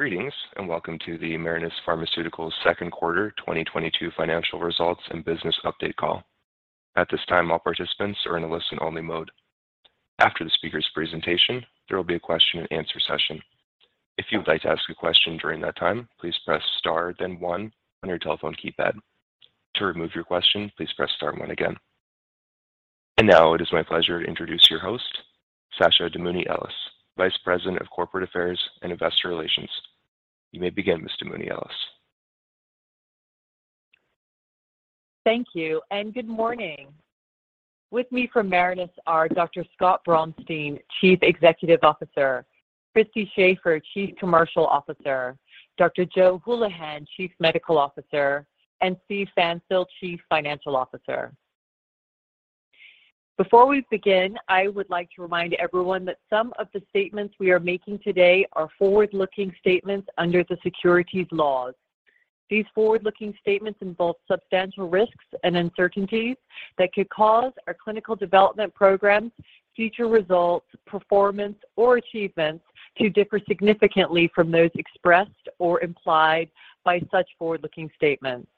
Greetings, and welcome to the Marinus Pharmaceuticals second quarter 2022 financial results and business update call. At this time, all participants are in a listen-only mode. After the speaker's presentation, there will be a question and answer session. If you would like to ask a question during that time, please press star, then one on your telephone keypad. To remove your question, please press star one again. Now it is my pleasure to introduce your host, Sasha Damouni Ellis, Vice President of Corporate Affairs and Investor Relations. You may begin, Miss Damouni Ellis. Thank you, and good morning. With me from Marinus are Dr. Scott Braunstein, Chief Executive Officer, Christy Shafer, Chief Commercial Officer, Dr. Joe Hulihan, Chief Medical Officer, and Steven Pfanstiel, Chief Financial Officer. Before we begin, I would like to remind everyone that some of the statements we are making today are forward-looking statements under the securities laws. These forward-looking statements involve substantial risks and uncertainties that could cause our clinical development programs, future results, performance, or achievements to differ significantly from those expressed or implied by such forward-looking statements.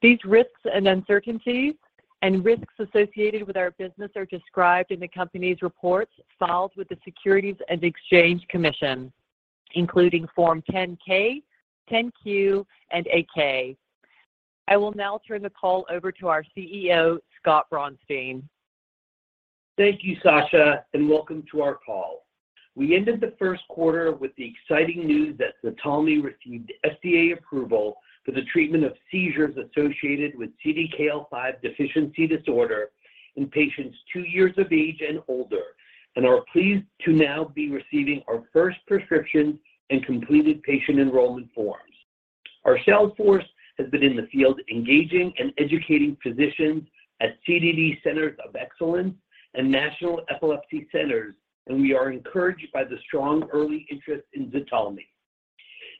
These risks and uncertainties and risks associated with our business are described in the company's reports filed with the Securities and Exchange Commission, including Form 10-K, 10-Q, and 8-K. I will now turn the call over to our CEO, Scott Braunstein. Thank you, Sasha, and welcome to our call. We ended the first quarter with the exciting news that ZTALMY received FDA approval for the treatment of seizures associated with CDKL5 deficiency disorder in patients two years of age and older, and are pleased to now be receiving our first prescription and completed patient enrollment forms. Our sales force has been in the field engaging and educating physicians at CDD Centers of Excellence and national epilepsy centers, and we are encouraged by the strong early interest in ZTALMY.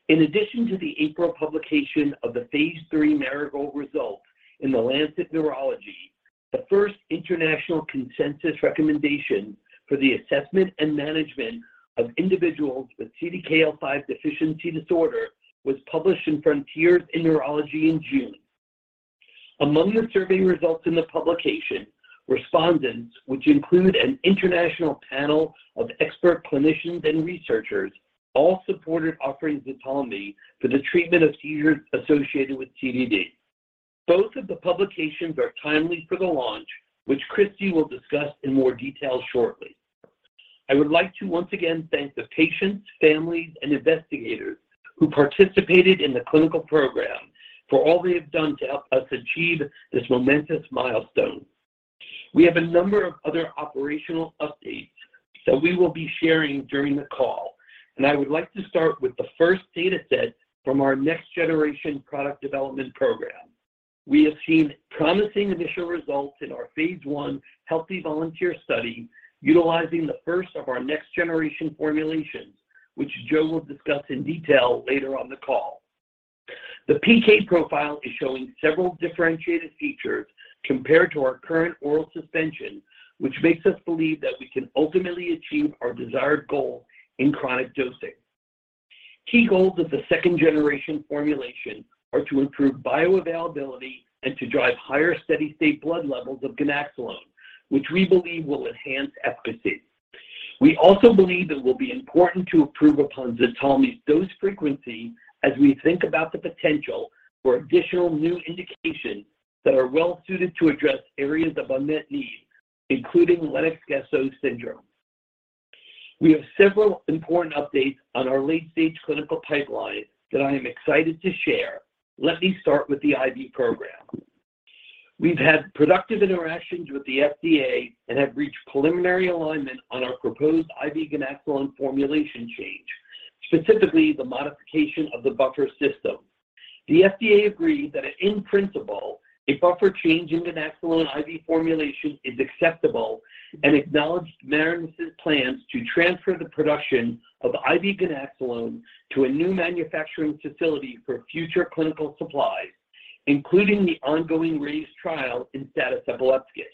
In addition to the April publication of the phase III Marigold results in The Lancet Neurology, the first international consensus recommendation for the assessment and management of individuals with CDKL5 deficiency disorder was published in Frontiers in Neurology in June. Among the survey results in the publication, respondents, which include an international panel of expert clinicians and researchers, all supported offering ZTALMY for the treatment of seizures associated with CDD. Both of the publications are timely for the launch, which Christy will discuss in more detail shortly. I would like to once again thank the patients, families, and investigators who participated in the clinical program for all they have done to help us achieve this momentous milestone. We have a number of other operational updates that we will be sharing during the call, and I would like to start with the first data set from our next generation product development program. We have seen promising initial results in our phase one healthy volunteer study utilizing the first of our next generation formulations, which Joe will discuss in detail later on the call. The PK profile is showing several differentiated features compared to our current oral suspension, which makes us believe that we can ultimately achieve our desired goal in chronic dosing. Key goals of the second generation formulation are to improve bioavailability and to drive higher steady-state blood levels of ganaxolone, which we believe will enhance efficacy. We also believe it will be important to improve upon ZTALMY's dose frequency as we think about the potential for additional new indications that are well suited to address areas of unmet need, including Lennox-Gastaut syndrome. We have several important updates on our late-stage clinical pipeline that I am excited to share. Let me start with the IV program. We've had productive interactions with the FDA and have reached preliminary alignment on our proposed IV ganaxolone formulation change, specifically the modification of the buffer system. The FDA agreed that in principle, a buffer change in ganaxolone IV formulation is acceptable and acknowledged Marinus' plans to transfer the production of IV ganaxolone to a new manufacturing facility for future clinical supplies, including the ongoing RAISE trial in status epilepticus.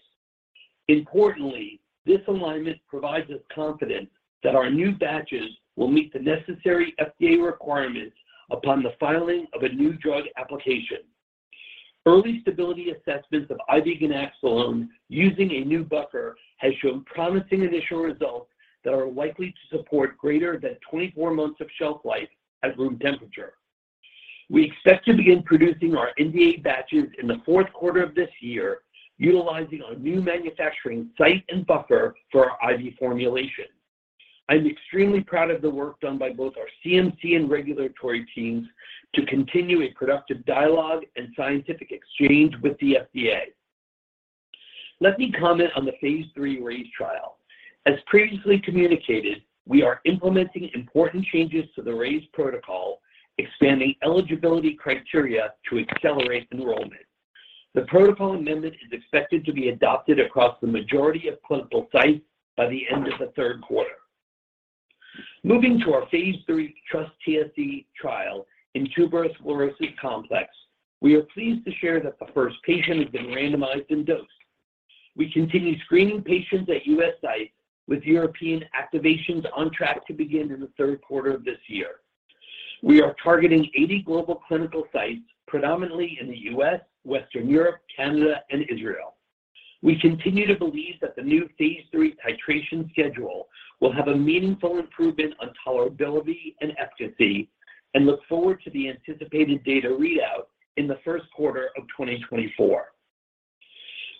Importantly, this alignment provides us confidence that our new batches will meet the necessary FDA requirements upon the filing of a new drug application. Early stability assessments of IV ganaxolone using a new buffer has shown promising initial results that are likely to support greater than 24 months of shelf life at room temperature. We expect to begin producing our NDA batches in the fourth quarter of this year, utilizing our new manufacturing site and buffer for our IV formulation. I'm extremely proud of the work done by both our CMC and regulatory teams to continue a productive dialogue and scientific exchange with the FDA. Let me comment on the phase III RAISE trial. As previously communicated, we are implementing important changes to the RAISE protocol, expanding eligibility criteria to accelerate enrollment. The protocol amendment is expected to be adopted across the majority of clinical sites by the end of the third quarter. Moving to our phase III TrustTSC trial in tuberous sclerosis complex. We are pleased to share that the first patient has been randomized and dosed. We continue screening patients at U.S. sites with European activations on track to begin in the third quarter of this year. We are targeting 80 global clinical sites predominantly in the U.S., Western Europe, Canada, and Israel. We continue to believe that the new phase III titration schedule will have a meaningful improvement on tolerability and efficacy and look forward to the anticipated data readout in the first quarter of 2024.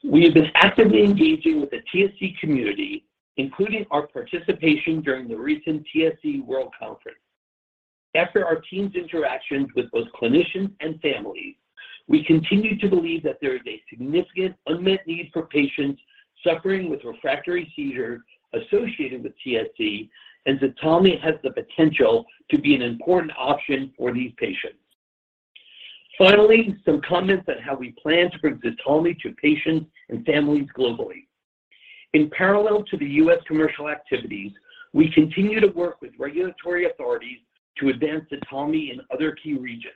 We have been actively engaging with the TSC community, including our participation during the recent TSC World Conference. After our team's interactions with both clinicians and families, we continue to believe that there is a significant unmet need for patients suffering with refractory seizures associated with TSC, and ZTALMY has the potential to be an important option for these patients. Finally, some comments on how we plan to bring ZTALMY to patients and families globally. In parallel to the U.S. Commercial activities, we continue to work with regulatory authorities to advance ZTALMY in other key regions.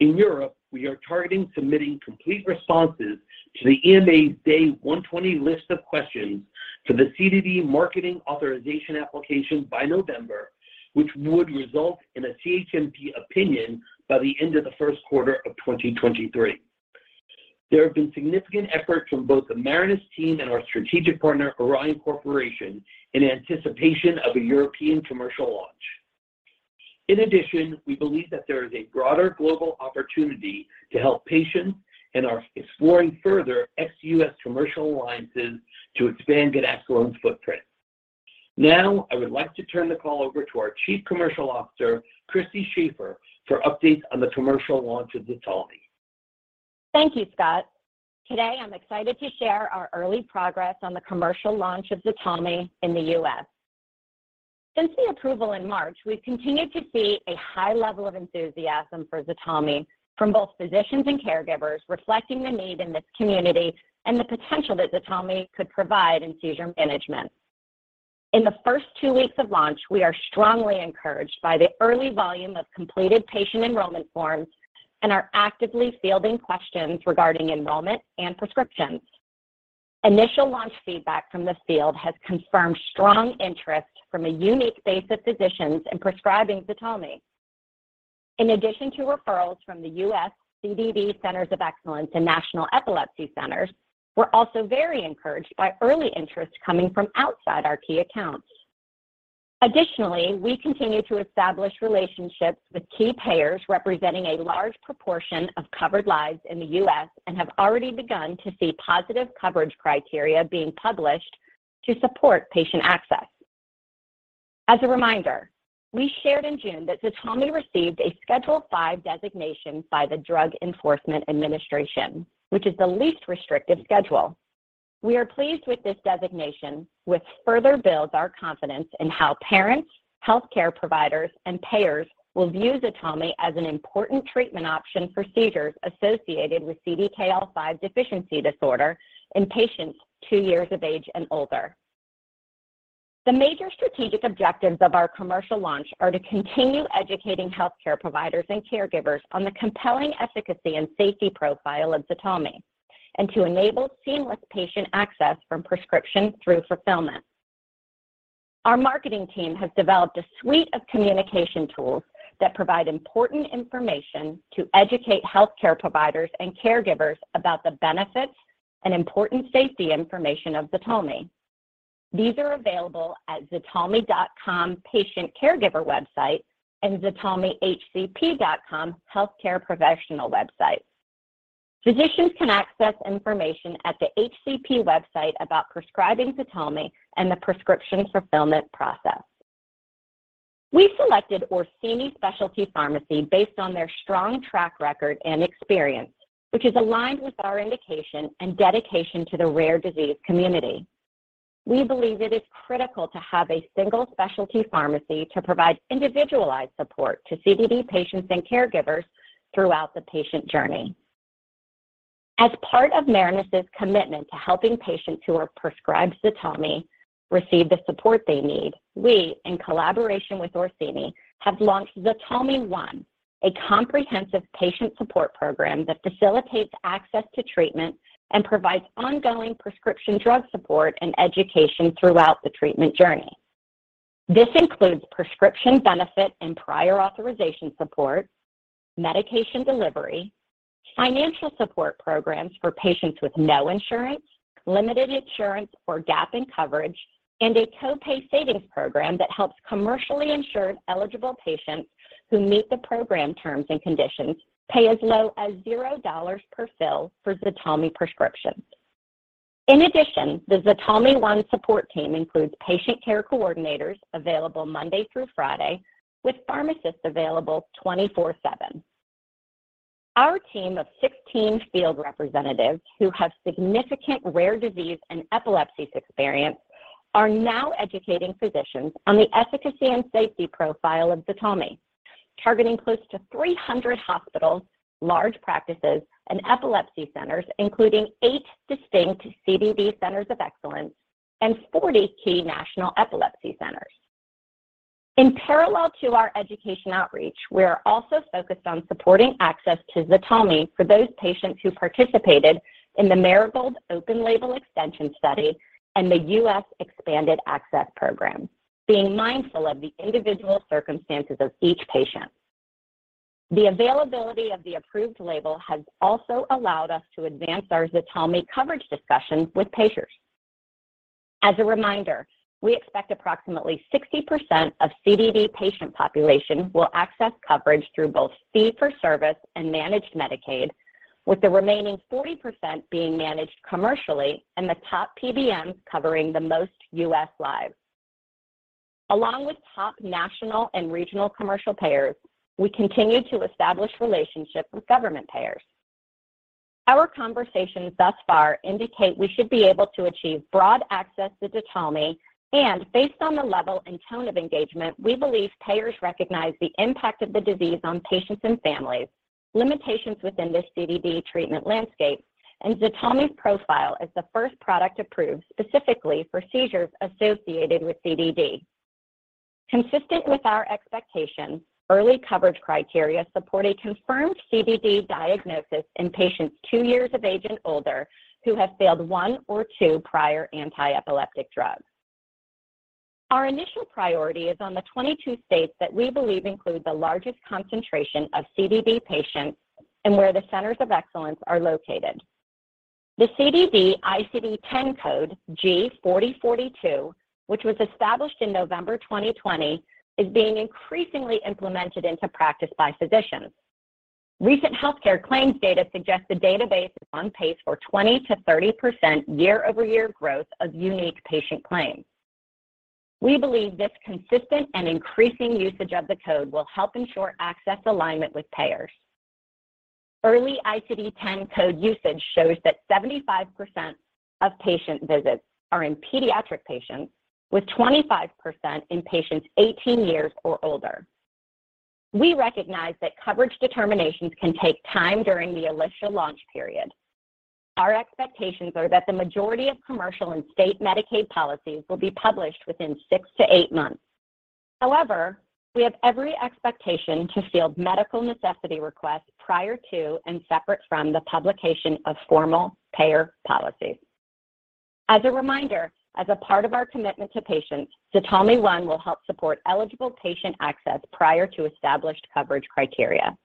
In Europe, we are targeting submitting complete responses to the EMA's Day 120 list of questions to the CDD Marketing Authorization Application by November, which would result in a CHMP opinion by the end of the first quarter of 2023. There have been significant efforts from both the Marinus team and our strategic partner, Orion Corporation, in anticipation of a European commercial launch. In addition, we believe that there is a broader global opportunity to help patients and are exploring further ex U.S. commercial alliances to expand ganaxolone's footprint. Now, I would like to turn the call over to our Chief Commercial Officer, Christy Shafer, for updates on the commercial launch of ZTALMY. Thank you, Scott. Today, I'm excited to share our early progress on the commercial launch of ZTALMY in the U.S. Since the approval in March, we've continued to see a high level of enthusiasm for ZTALMY from both physicians and caregivers, reflecting the need in this community and the potential that ZTALMY could provide in seizure management. In the first two weeks of launch, we are strongly encouraged by the early volume of completed patient enrollment forms and are actively fielding questions regarding enrollment and prescriptions. Initial launch feedback from the field has confirmed strong interest from a unique base of physicians in prescribing ZTALMY. In addition to referrals from the U.S. CDD Centers of Excellence and National Epilepsy Centers, we're also very encouraged by early interest coming from outside our key accounts. Additionally, we continue to establish relationships with key payers representing a large proportion of covered lives in the U.S. and have already begun to see positive coverage criteria being published to support patient access. As a reminder, we shared in June that ZTALMY received a Schedule V designation by the Drug Enforcement Administration, which is the least restrictive schedule. We are pleased with this designation, which further builds our confidence in how parents, healthcare providers, and payers will view ZTALMY as an important treatment option for seizures associated with CDKL5 deficiency disorder in patients two years of age and older. The major strategic objectives of our commercial launch are to continue educating healthcare providers and caregivers on the compelling efficacy and safety profile of ZTALMY and to enable seamless patient access from prescription through fulfillment. Our marketing team has developed a suite of communication tools that provide important information to educate healthcare providers and caregivers about the benefits and important safety information of ZTALMY. These are available at ZTALMY.com patient/caregiver website and ztalmyhcp.com healthcare professional website. Physicians can access information at the HCP website about prescribing ZTALMY and the prescription fulfillment process. We selected Orsini Specialty Pharmacy based on their strong track record and experience, which is aligned with our indication and dedication to the rare disease community. We believe it is critical to have a single specialty pharmacy to provide individualized support to CDD patients and caregivers throughout the patient journey. As part of Marinus' commitment to helping patients who are prescribed ZTALMY receive the support they need, we, in collaboration with Orsini, have launched ZTALMY One, a comprehensive patient support program that facilitates access to treatment and provides ongoing prescription drug support and education throughout the treatment journey. This includes prescription benefit and prior authorization support, medication delivery, financial support programs for patients with no insurance, limited insurance, or gap in coverage, and a co-pay savings program that helps commercially insured eligible patients who meet the program terms and conditions pay as low as $0 per fill for ZTALMY prescriptions. In addition, the ZTALMY One support team includes patient care coordinators available Monday through Friday, with pharmacists available 24/7. Our team of 16 field representatives who have significant rare disease and epilepsies experience are now educating physicians on the efficacy and safety profile of ZTALMY, targeting close to 300 hospitals, large practices, and epilepsy centers, including eight distinct CDD Centers of Excellence and 40 key national epilepsy centers. In parallel to our education outreach, we are also focused on supporting access to ZTALMY for those patients who participated in the Marigold open label extension study and the U.S. Expanded Access Program, being mindful of the individual circumstances of each patient. The availability of the approved label has also allowed us to advance our ZTALMY coverage discussions with payers. As a reminder, we expect approximately 60% of CDD patient population will access coverage through both fee-for-service and managed Medicaid, with the remaining 40% being managed commercially and the top PBMs covering the most U.S. lives. Along with top national and regional commercial payers, we continue to establish relationships with government payers. Our conversations thus far indicate we should be able to achieve broad access to ZTALMY, and based on the level and tone of engagement, we believe payers recognize the impact of the disease on patients and families, limitations within this CDD treatment landscape, and ZTALMY's profile as the first product approved specifically for seizures associated with CDD. Consistent with our expectations, early coverage criteria support a confirmed CDD diagnosis in patients two years of age and older who have failed one or two prior anti-epileptic drugs. Our initial priority is on the 22 states that we believe include the largest concentration of CDD patients and where the centers of excellence are located. The CDD ICD-10 code G40.42, which was established in November 2020, is being increasingly implemented into practice by physicians. Recent healthcare claims data suggests the database is on pace for 20%-30% year-over-year growth of unique patient claims. We believe this consistent and increasing usage of the code will help ensure access alignment with payers. Early ICD-10 code usage shows that 75% of patient visits are in pediatric patients, with 25% in patients 18 years or older. We recognize that coverage determinations can take time during the ZTALMY launch period. Our expectations are that the majority of commercial and state Medicaid policies will be published within 6-8 months. However, we have every expectation to field medical necessity requests prior to and separate from the publication of formal payer policies. As a reminder, as a part of our commitment to patients, ZTALMY One will help support eligible patient access prior to established coverage criteria.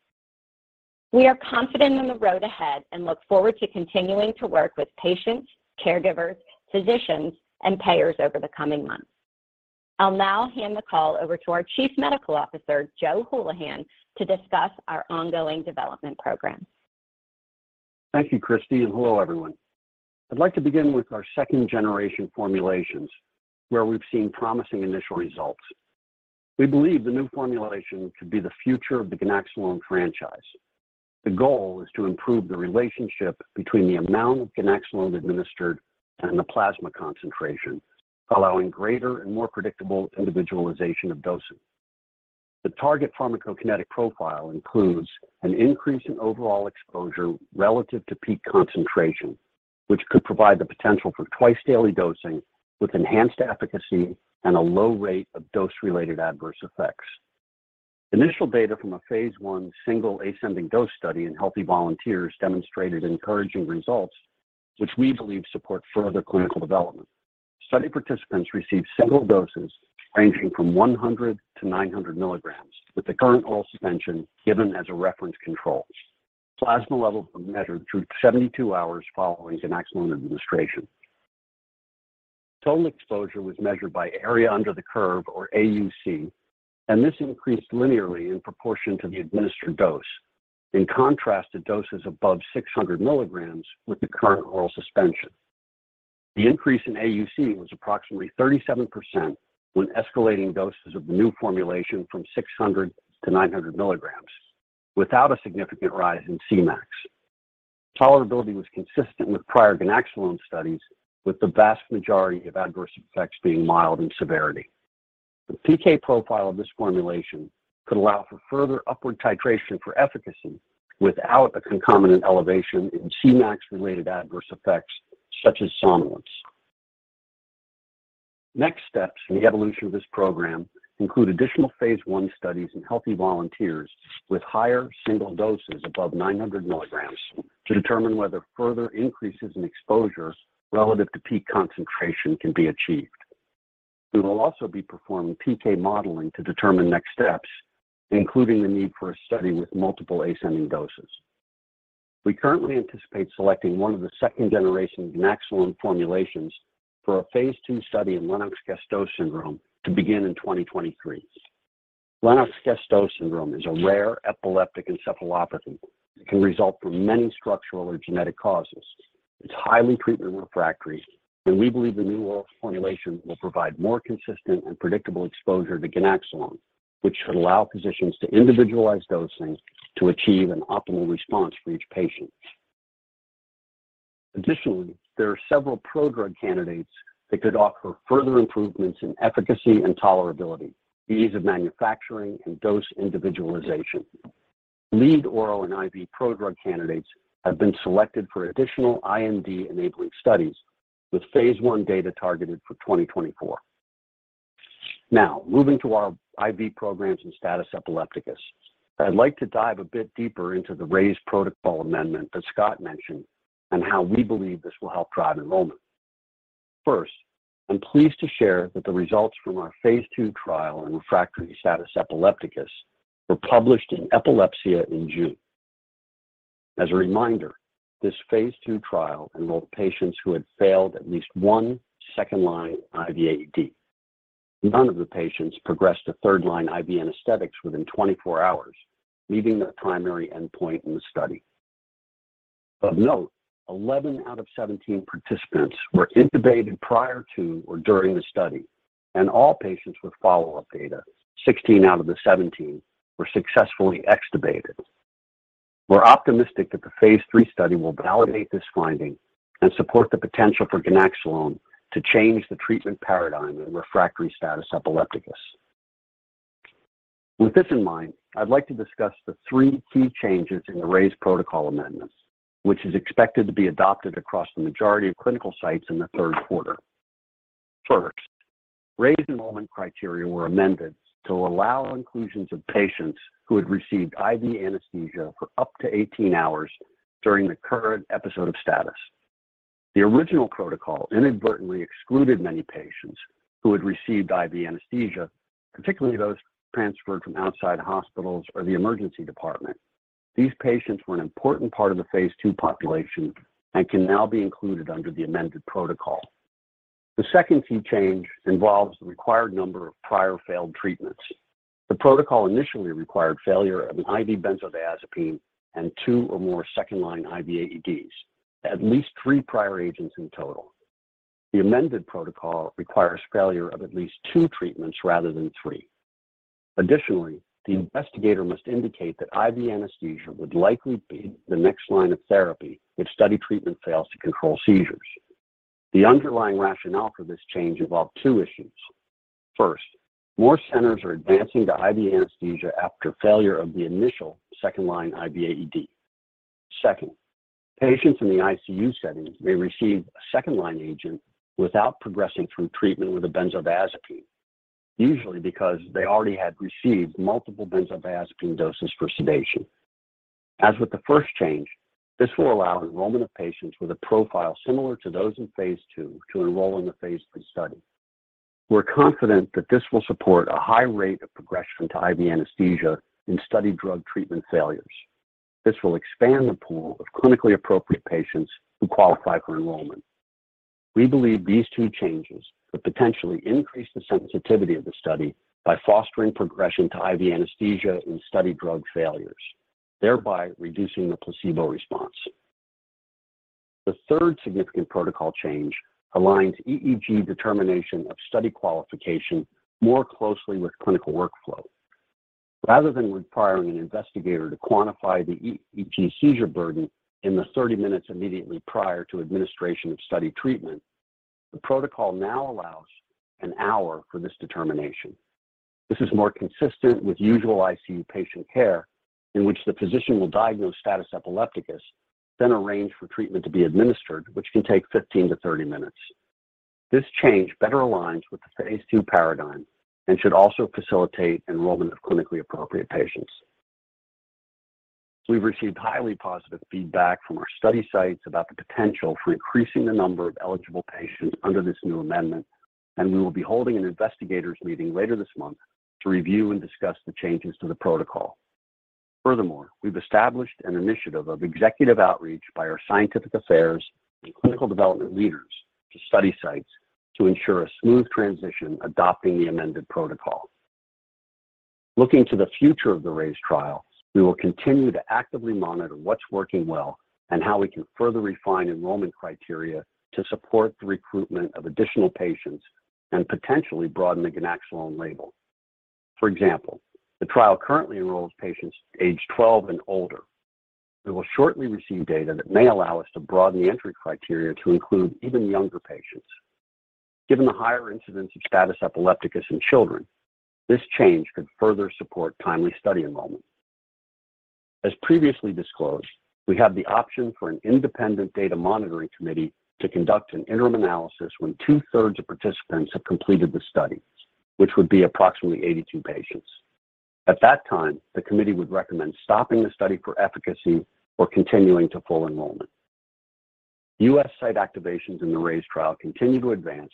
We are confident in the road ahead and look forward to continuing to work with patients, caregivers, physicians, and payers over the coming months. I'll now hand the call over to our Chief Medical Officer, Joe Hulihan, to discuss our ongoing development program. Thank you, Christy, and hello, everyone. I'd like to begin with our second-generation formulations, where we've seen promising initial results. We believe the new formulation could be the future of the ganaxolone franchise. The goal is to improve the relationship between the amount of ganaxolone administered and the plasma concentration, allowing greater and more predictable individualization of dosing. The target pharmacokinetic profile includes an increase in overall exposure relative to peak concentration, which could provide the potential for twice-daily dosing with enhanced efficacy and a low rate of dose-related adverse effects. Initial data from a phase I single ascending dose study in healthy volunteers demonstrated encouraging results, which we believe support further clinical development. Study participants received single doses ranging from 100-900 milligrams, with the current oral suspension given as a reference control. Plasma levels were measured through 72 hours following ganaxolone administration. Total exposure was measured by area under the curve, or AUC, and this increased linearly in proportion to the administered dose. In contrast to doses above 600 milligrams with the current oral suspension, the increase in AUC was approximately 37% when escalating doses of the new formulation from 600-900 milligrams without a significant rise in Cmax. Tolerability was consistent with prior ganaxolone studies, with the vast majority of adverse effects being mild in severity. The PK profile of this formulation could allow for further upward titration for efficacy without a concomitant elevation in Cmax-related adverse effects such as somnolence. Next steps in the evolution of this program include additional phase I studies in healthy volunteers with higher single doses above 900 milligrams to determine whether further increases in exposures relative to peak concentration can be achieved. We will also be performing PK modeling to determine next steps, including the need for a study with multiple ascending doses. We currently anticipate selecting one of the second-generation ganaxolone formulations for a phase II study in Lennox-Gastaut syndrome to begin in 2023. Lennox-Gastaut syndrome is a rare epileptic encephalopathy that can result from many structural or genetic causes. It's highly treatment refractory, and we believe the new oral formulation will provide more consistent and predictable exposure to ganaxolone, which should allow physicians to individualize dosing to achieve an optimal response for each patient. Additionally, there are several prodrug candidates that could offer further improvements in efficacy and tolerability, the ease of manufacturing, and dose individualization. Lead oral and IV prodrug candidates have been selected for additional IND-enabling studies, with phase one data targeted for 2024. Now, moving to our IV programs and status epilepticus. I'd like to dive a bit deeper into the RAISE protocol amendment that Scott mentioned and how we believe this will help drive enrollment. First, I'm pleased to share that the results from our phase II trial in refractory status epilepticus were published in Epilepsia in June. As a reminder, this phase II trial enrolled patients who had failed at least one second-line IV AED. None of the patients progressed to third-line IV anesthetics within 24 hours, meeting the primary endpoint in the study. Of note, 11 out of 17 participants were intubated prior to or during the study, and all patients with follow-up data, 16 out of the 17, were successfully extubated. We're optimistic that the phase III study will validate this finding and support the potential for ganaxolone to change the treatment paradigm in refractory status epilepticus. With this in mind, I'd like to discuss the 3 key changes in the RAISE protocol amendment, which is expected to be adopted across the majority of clinical sites in the third quarter. First, RAISE enrollment criteria were amended to allow inclusions of patients who had received IV anesthesia for up to 18 hours during the current episode of status. The original protocol inadvertently excluded many patients who had received IV anesthesia, particularly those transferred from outside hospitals or the emergency department. These patients were an important part of the phase II population and can now be included under the amended protocol. The second key change involves the required number of prior failed treatments. The protocol initially required failure of an IV benzodiazepine and two or more second-line IV AEDs, at least 3 prior agents in total. The amended protocol requires failure of at least 2 treatments rather than 3. Additionally, the investigator must indicate that IV anesthesia would likely be the next line of therapy if study treatment fails to control seizures. The underlying rationale for this change involved two issues. First, more centers are advancing to IV anesthesia after failure of the initial second-line IV AED. Second, patients in the ICU setting may receive a second-line agent without progressing through treatment with a benzodiazepine, usually because they already had received multiple benzodiazepine doses for sedation. As with the first change, this will allow enrollment of patients with a profile similar to those in phase II to enroll in the phase III study. We're confident that this will support a high rate of progression to IV anesthesia in study drug treatment failures. This will expand the pool of clinically appropriate patients who qualify for enrollment. We believe these two changes could potentially increase the sensitivity of the study by fostering progression to IV anesthesia in study drug failures, thereby reducing the placebo response. The third significant protocol change aligns EEG determination of study qualification more closely with clinical workflows. Rather than requiring an investigator to quantify the EEG seizure burden in the 30 minutes immediately prior to administration of study treatment, the protocol now allows an hour for this determination. This is more consistent with usual ICU patient care, in which the physician will diagnose status epilepticus, then arrange for treatment to be administered, which can take 15-30 minutes. This change better aligns with the phase II paradigm and should also facilitate enrollment of clinically appropriate patients. We've received highly positive feedback from our study sites about the potential for increasing the number of eligible patients under this new amendment, and we will be holding an investigators meeting later this month to review and discuss the changes to the protocol. Furthermore, we've established an initiative of executive outreach by our scientific affairs and clinical development leaders to study sites to ensure a smooth transition adopting the amended protocol. Looking to the future of the RAISE trial, we will continue to actively monitor what's working well and how we can further refine enrollment criteria to support the recruitment of additional patients and potentially broaden the ganaxolone label. For example, the trial currently enrolls patients aged 12 and older. We will shortly receive data that may allow us to broaden the entry criteria to include even younger patients. Given the higher incidence of status epilepticus in children, this change could further support timely study enrollment. As previously disclosed, we have the option for an independent data monitoring committee to conduct an interim analysis when two-thirds of participants have completed the study, which would be approximately 82 patients. At that time, the committee would recommend stopping the study for efficacy or continuing to full enrollment. U.S. site activations in the RAISE trial continue to advance,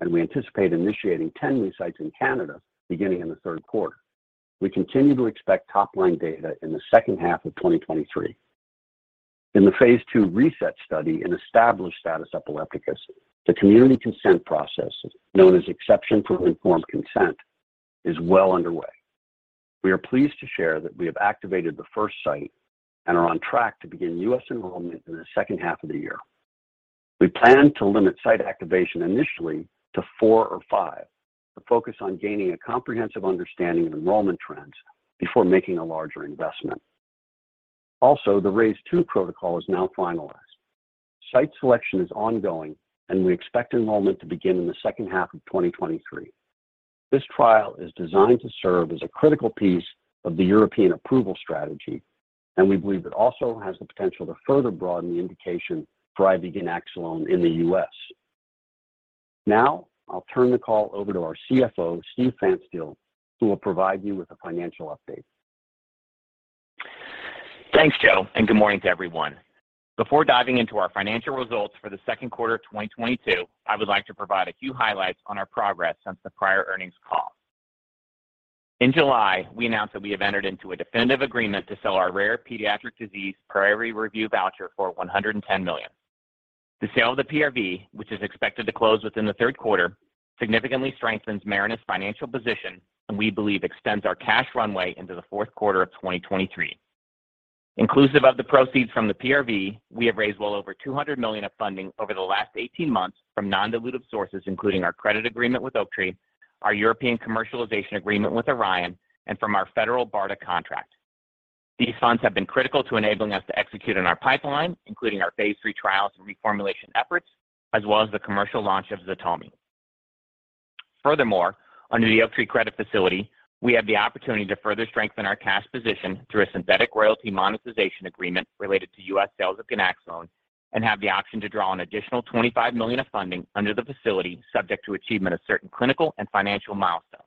and we anticipate initiating 10 new sites in Canada beginning in the third quarter. We continue to expect top-line data in the second half of 2023. In the phase II RESET study in established status epilepticus, the community consent process, known as exception for informed consent, is well underway. We are pleased to share that we have activated the first site and are on track to begin US enrollment in the second half of the year. We plan to limit site activation initially to four or five to focus on gaining a comprehensive understanding of enrollment trends before making a larger investment. Also, the RAISE II protocol is now finalized. Site selection is ongoing, and we expect enrollment to begin in the second half of 2023. This trial is designed to serve as a critical piece of the European approval strategy, and we believe it also has the potential to further broaden the indication for IV ganaxolone in the US. Now, I'll turn the call over to our CFO, Steven Pfanstiel, who will provide you with a financial update. Thanks, Joe, and good morning to everyone. Before diving into our financial results for the second quarter of 2022, I would like to provide a few highlights on our progress since the prior earnings call. In July, we announced that we have entered into a definitive agreement to sell our rare pediatric disease priority review voucher for $110 million. The sale of the PRV, which is expected to close within the third quarter, significantly strengthens Marinus' financial position and we believe extends our cash runway into the fourth quarter of 2023. Inclusive of the proceeds from the PRV, we have raised well over $200 million of funding over the last 18 months from non-dilutive sources, including our credit agreement with Oaktree, our European commercialization agreement with Orion, and from our federal BARDA contract. These funds have been critical to enabling us to execute on our pipeline, including our phase III trials and reformulation efforts, as well as the commercial launch of ZTALMY. Furthermore, under the Oaktree credit facility, we have the opportunity to further strengthen our cash position through a synthetic royalty monetization agreement related to U.S. sales of ganaxolone and have the option to draw an additional $25 million of funding under the facility subject to achievement of certain clinical and financial milestones.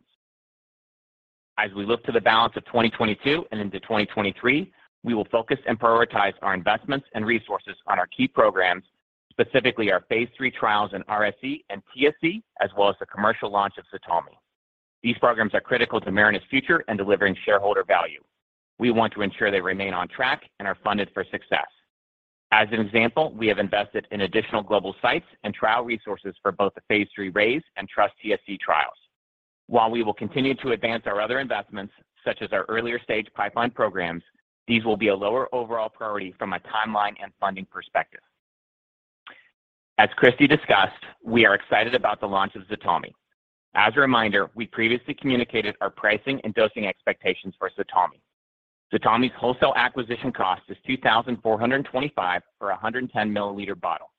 As we look to the balance of 2022 and into 2023, we will focus and prioritize our investments and resources on our key programs, specifically our phase III trials in RSE and TSC, as well as the commercial launch of ZTALMY. These programs are critical to Marinus' future and delivering shareholder value. We want to ensure they remain on track and are funded for success. As an example, we have invested in additional global sites and trial resources for both the phase III RAISE and TrustTSC trials. While we will continue to advance our other investments, such as our earlier stage pipeline programs, these will be a lower overall priority from a timeline and funding perspective. As Christy discussed, we are excited about the launch of ZTALMY. As a reminder, we previously communicated our pricing and dosing expectations for ZTALMY. ZTALMY's wholesale acquisition cost is $2,425 for a 110 milliliter bottle.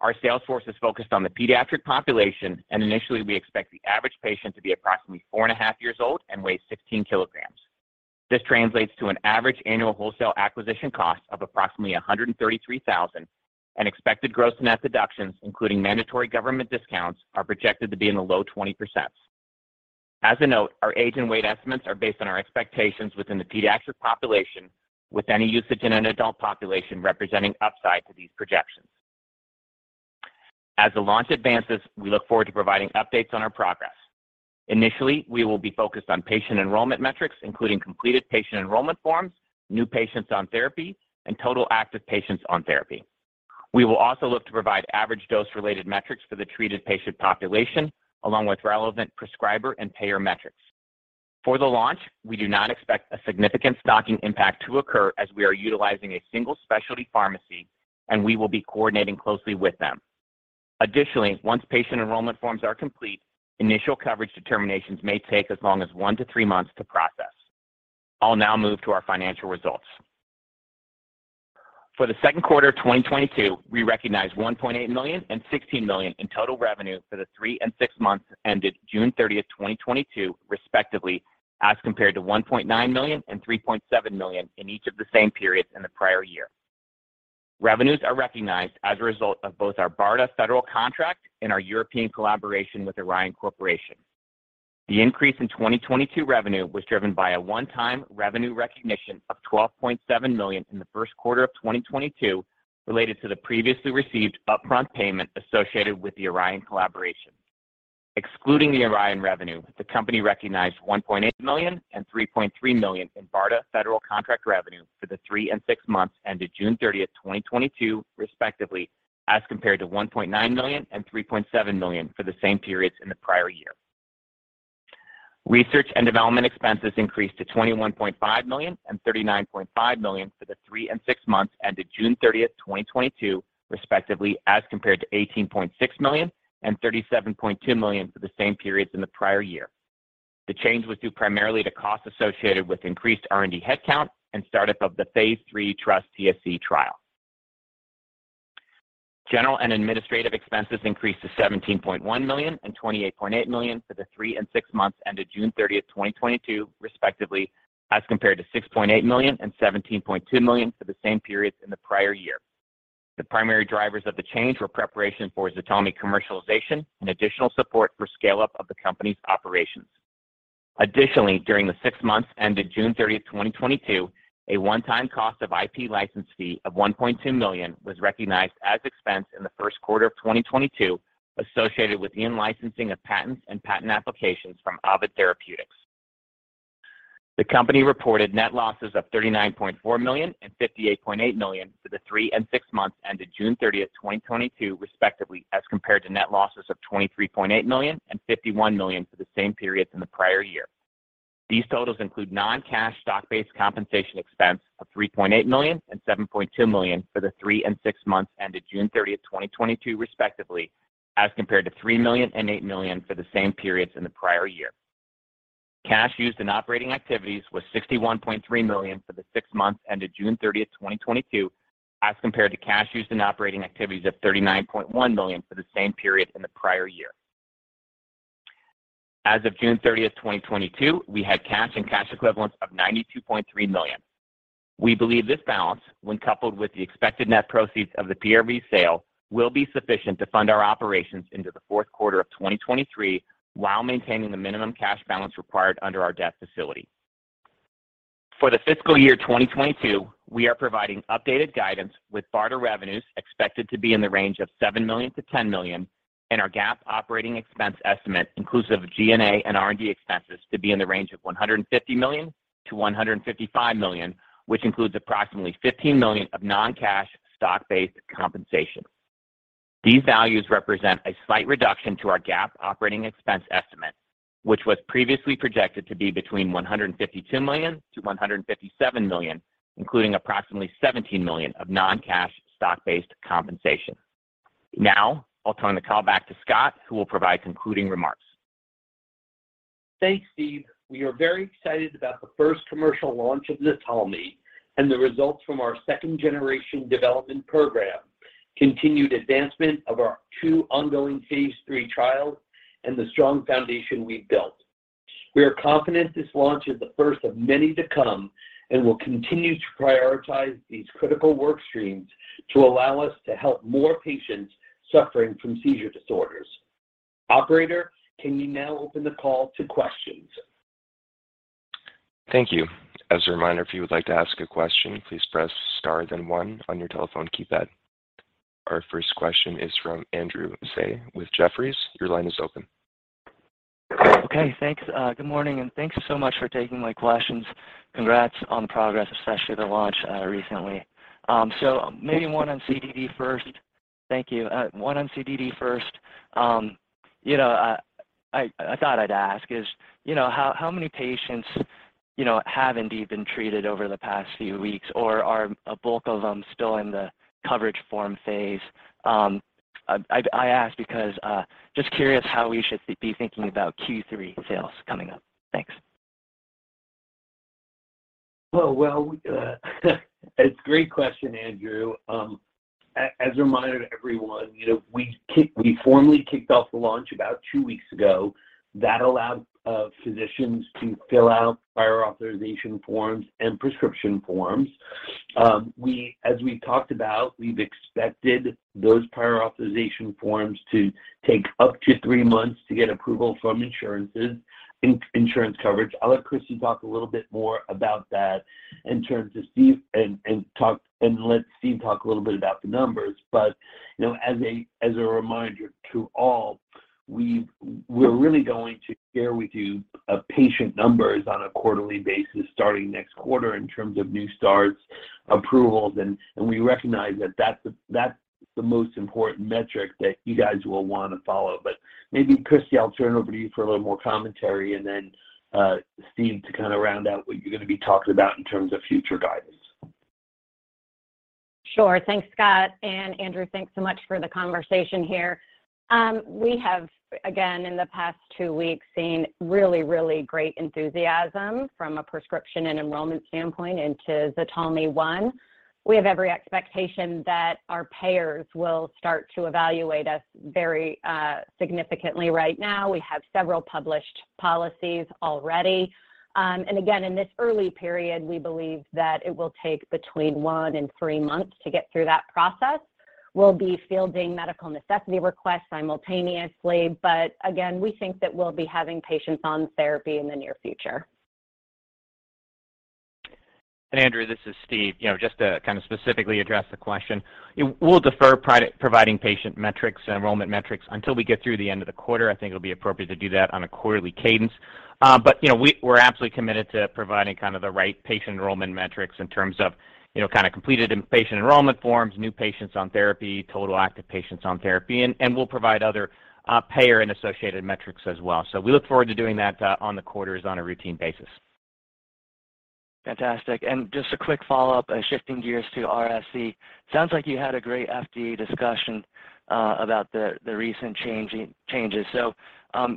Our sales force is focused on the pediatric population, and initially we expect the average patient to be approximately 4.5 years old and weigh 16 kilograms. This translates to an average annual wholesale acquisition cost of approximately $133,000, and expected gross net deductions, including mandatory government discounts, are projected to be in the low 20%. As a note, our age and weight estimates are based on our expectations within the pediatric population, with any usage in an adult population representing upside to these projections. As the launch advances, we look forward to providing updates on our progress. Initially, we will be focused on patient enrollment metrics, including completed patient enrollment forms, new patients on therapy, and total active patients on therapy. We will also look to provide average dose-related metrics for the treated patient population, along with relevant prescriber and payer metrics. For the launch, we do not expect a significant stocking impact to occur as we are utilizing a single specialty pharmacy, and we will be coordinating closely with them. Additionally, once patient enrollment forms are complete, initial coverage determinations may take as long as 1-3 months to process. I'll now move to our financial results. For the second quarter of 2022, we recognized $1.8 million and $16 million in total revenue for the three and six months ended 30th June 2022 respectively, as compared to $1.9 million and $3.7 million in each of the same periods in the prior year. Revenues are recognized as a result of both our BARDA federal contract and our European collaboration with Orion Corporation. The increase in 2022 revenue was driven by a one-time revenue recognition of $12.7 million in the first quarter of 2022 related to the previously received upfront payment associated with the Orion collaboration. Excluding the Orion revenue, the company recognized $1.8 million and $3.3 million in BARDA federal contract revenue for the three and six months ended 30th June 2022, respectively, as compared to $1.9 million and $3.7 million for the same periods in the prior year. Research and development expenses increased to $21.5 million and $39.5 million for the three and six months ended 30th June 2022, respectively, as compared to $18.6 million and $37.2 million for the same periods in the prior year. The change was due primarily to costs associated with increased R&D head count and start-up of the phase III TrustTSC trial. General and administrative expenses increased to $17.1 million and $28.8 million for the three and six months ended 30th June 2022, respectively, as compared to $6.8 million and $17.2 million for the same periods in the prior year. The primary drivers of the change were preparation for ZTALMY commercialization and additional support for scale-up of the company's operations. Additionally, during the six months ended 30th June, 2022, a one-time cost of IP license fee of $1.2 million was recognized as expense in the first quarter of 2022 associated with in-licensing of patents and patent applications from Ovid Therapeutics. The company reported net losses of $39.4 million and $58.8 million for the three and six months ended 30th June, 2022, respectively, as compared to net losses of $23.8 million and $51 million for the same periods in the prior year. These totals include non-cash stock-based compensation expense of $3.8 million and $7.2 million for the three and six months ended June 2022, respectively, as compared to $3 million and $8 million for the same periods in the prior year. Cash used in operating activities was $61.3 million for the six months ended 30th June, 2022, as compared to cash used in operating activities of $39.1 million for the same period in the prior year. As of 30th June, 2022, we had cash and cash equivalents of $92.3 million. We believe this balance, when coupled with the expected net proceeds of the PRV sale, will be sufficient to fund our operations into the fourth quarter of 2023 while maintaining the minimum cash balance required under our debt facility. For the fiscal year 2022, we are providing updated guidance with BARDA revenues expected to be in the range of $7 million-$10 million and our GAAP operating expense estimate, inclusive of G&A and R&D expenses, to be in the range of $150 million-$155 million, which includes approximately $15 million of non-cash stock-based compensation. These values represent a slight reduction to our GAAP operating expense estimate, which was previously projected to be between $152 million-$157 million, including approximately $17 million of non-cash stock-based compensation. Now, I'll turn the call back to Scott, who will provide concluding remarks. Thanks, Steve. We are very excited about the first commercial launch of ZTALMY and the results from our second-generation development program, continued advancement of our two ongoing phase III trials, and the strong foundation we've built. We are confident this launch is the first of many to come and will continue to prioritize these critical work streams to allow us to help more patients suffering from seizure disorders. Operator, can you now open the call to questions? Thank you. As a reminder, if you would like to ask a question, please press star then one on your telephone keypad. Our first question is from Andrew Tsai with Jefferies. Your line is open. Okay, thanks. Good morning, and thank you so much for taking my questions. Congrats on the progress, especially the launch recently. Maybe one on CDD first. Thank you. You know, I thought I'd ask is, you know, how many patients, you know, have indeed been treated over the past few weeks, or are a bulk of them still in the coverage form phase? I ask because just curious how we should be thinking about Q3 sales coming up. Thanks. Well, it's a great question, Andrew. As a reminder to everyone, you know, we formally kicked off the launch about two weeks ago. That allowed, physicians to fill out prior authorization forms and prescription forms. As we've talked about, we've expected those prior authorization forms to take up to three months to get approval from insurance coverage. I'll let Christy talk a little bit more about that in terms of Steve and let Steve talk a little bit about the numbers. You know, as a reminder to all, we're really going to share with you, patient numbers on a quarterly basis starting next quarter in terms of new starts, approvals, and we recognize that that's the most important metric that you guys will want to follow. Maybe, Christy, I'll turn it over to you for a little more commentary, and then, Steve to kind of round out what you're going to be talking about in terms of future guidance. Sure. Thanks, Scott. Andrew, thanks so much for the conversation here. We have, again, in the past two weeks, seen really great enthusiasm from a prescription and enrollment standpoint into ZTALMY One. We have every expectation that our payers will start to evaluate us very significantly right now. We have several published policies already. Again, in this early period, we believe that it will take between one and three months to get through that process. We'll be fielding medical necessity requests simultaneously, but again, we think that we'll be having patients on therapy in the near future. Andrew, this is Steve. You know, just to kind of specifically address the question, we'll defer providing patient metrics and enrollment metrics until we get through the end of the quarter. I think it'll be appropriate to do that on a quarterly cadence. But you know, we're absolutely committed to providing kind of the right patient enrollment metrics in terms of, you know, kind of completed patient enrollment forms, new patients on therapy, total active patients on therapy, and we'll provide other payer and associated metrics as well. We look forward to doing that on the quarters on a routine basis. Fantastic. Just a quick follow-up, shifting gears to RSE. Sounds like you had a great FDA discussion about the recent changes.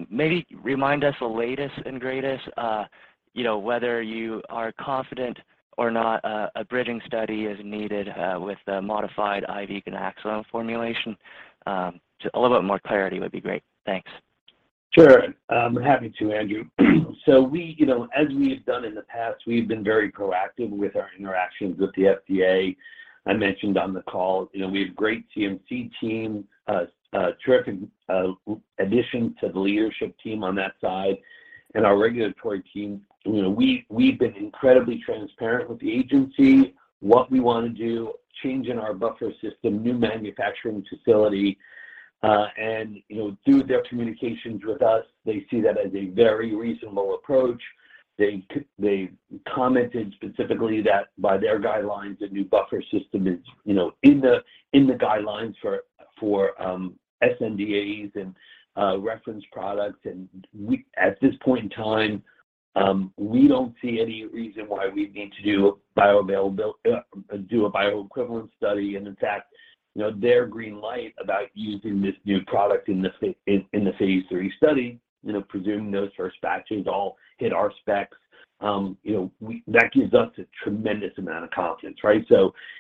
Maybe remind us the latest and greatest, you know, whether you are confident or not a bridging study is needed with the modified IV ganaxolone formulation. Just a little bit more clarity would be great. Thanks. Sure. I'm happy to, Andrew. We, you know, as we have done in the past, we've been very proactive with our interactions with the FDA. I mentioned on the call, you know, we have great CMC team, a terrific addition to the leadership team on that side and our regulatory team. You know, we've been incredibly transparent with the agency, what we want to do, change in our buffer system, new manufacturing facility, and, you know, through their communications with us, they see that as a very reasonable approach. They commented specifically that by their guidelines, the new buffer system is, you know, in the guidelines for SNDAs and reference products. At this point in time, we don't see any reason why we'd need to do a bioequivalent study. In fact, you know, their green light about using this new product in the phase III study, you know, presuming those first batches all hit our specs. You know, that gives us a tremendous amount of confidence, right?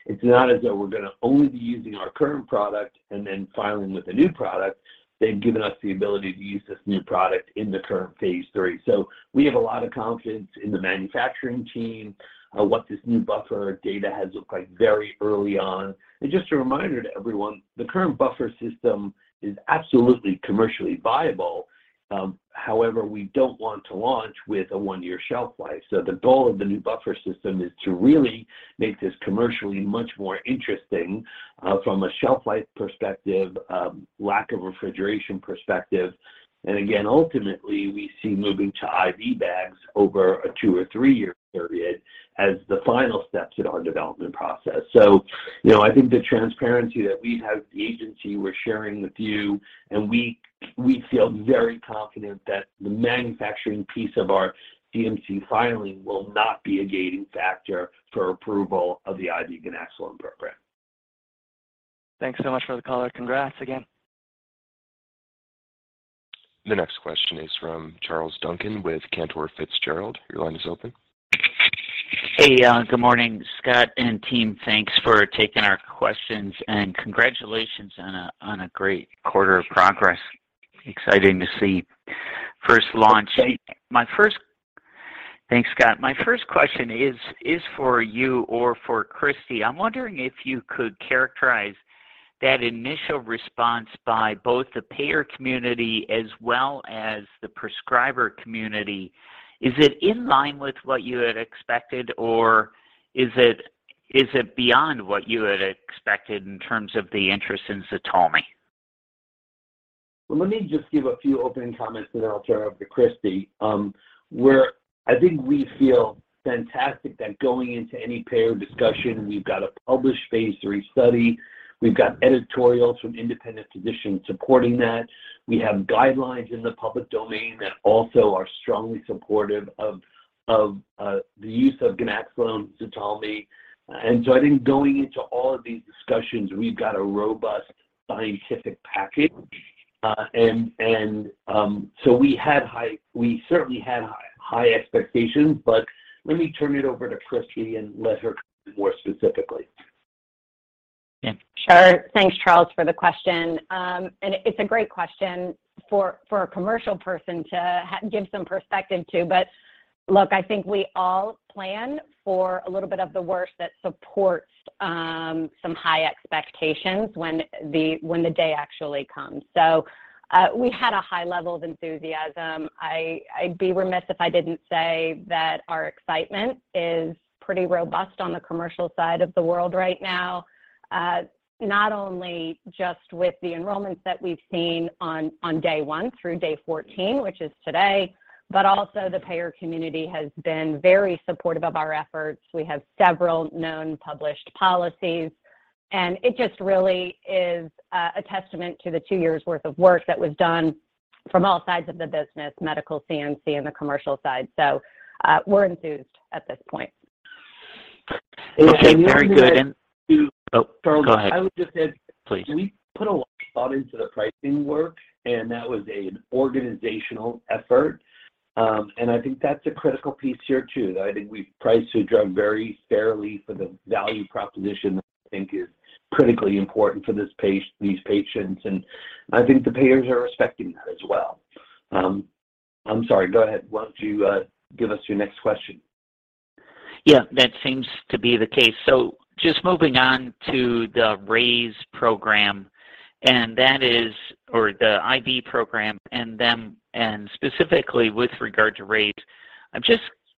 It's not as though we're going to only be using our current product and then filing with a new product. They've given us the ability to use this new product in the current phase III. We have a lot of confidence in the manufacturing team, what this new buffer data has looked like very early on. Just a reminder to everyone, the current buffer system is absolutely commercially viable. However, we don't want to launch with a one-year shelf life. The goal of the new buffer system is to really make this commercially much more interesting, from a shelf life perspective, lack of refrigeration perspective. Again, ultimately, we see moving to IV bags over a two or three year period as the final steps in our development process. You know, I think the transparency that we have with the agency we're sharing with you, and we feel very confident that the manufacturing piece of our CMC filing will not be a gating factor for approval of the IV ganaxolone program. Thanks so much for the call. Congrats again. The next question is from Charles Duncan with Cantor Fitzgerald. Your line is open. Hey, good morning, Scott and team. Thanks for taking our questions, and congratulations on a great quarter of progress. Exciting to see first launch. Thanks, Scott. My first question is for you or for Christy. I'm wondering if you could characterize that initial response by both the payer community as well as the prescriber community. Is it in line with what you had expected, or is it beyond what you had expected in terms of the interest in ZTALMY? Well, let me just give a few opening comments, then I'll turn it over to Christy. I think we feel fantastic that going into any payer discussion, we've got a published phase three study. We've got editorials from independent physicians supporting that. We have guidelines in the public domain that also are strongly supportive of the use of ganaxolone ZTALMY. I think going into all of these discussions, we've got a robust scientific package. We certainly had high expectations, but let me turn it over to Christy and let her more specifically. Yeah. Sure. Thanks, Charles, for the question. It's a great question for a commercial person to give some perspective to. Look, I think we all plan for a little bit of the worst that supports some high expectations when the day actually comes. We had a high level of enthusiasm. I'd be remiss if I didn't say that our excitement is pretty robust on the commercial side of the world right now, not only just with the enrollments that we've seen on day 1 through day 14, which is today, but also the payer community has been very supportive of our efforts. We have several known published policies, and it just really is a testament to the two years' worth of work that was done from all sides of the business, medical, CMC, and the commercial side. We're enthused at this point. Okay. Very good. Let me add to Oh, go ahead. I would just add. Please. We put a lot of thought into the pricing work, and that was an organizational effort. I think that's a critical piece here, too, that I think we priced the drug very fairly for the value proposition I think is critically important for these patients. I think the payers are respecting that as well. I'm sorry. Go ahead. Why don't you give us your next question? Yeah, that seems to be the case. Just moving on to the RAISE program, the IV program, and specifically with regard to RAISE,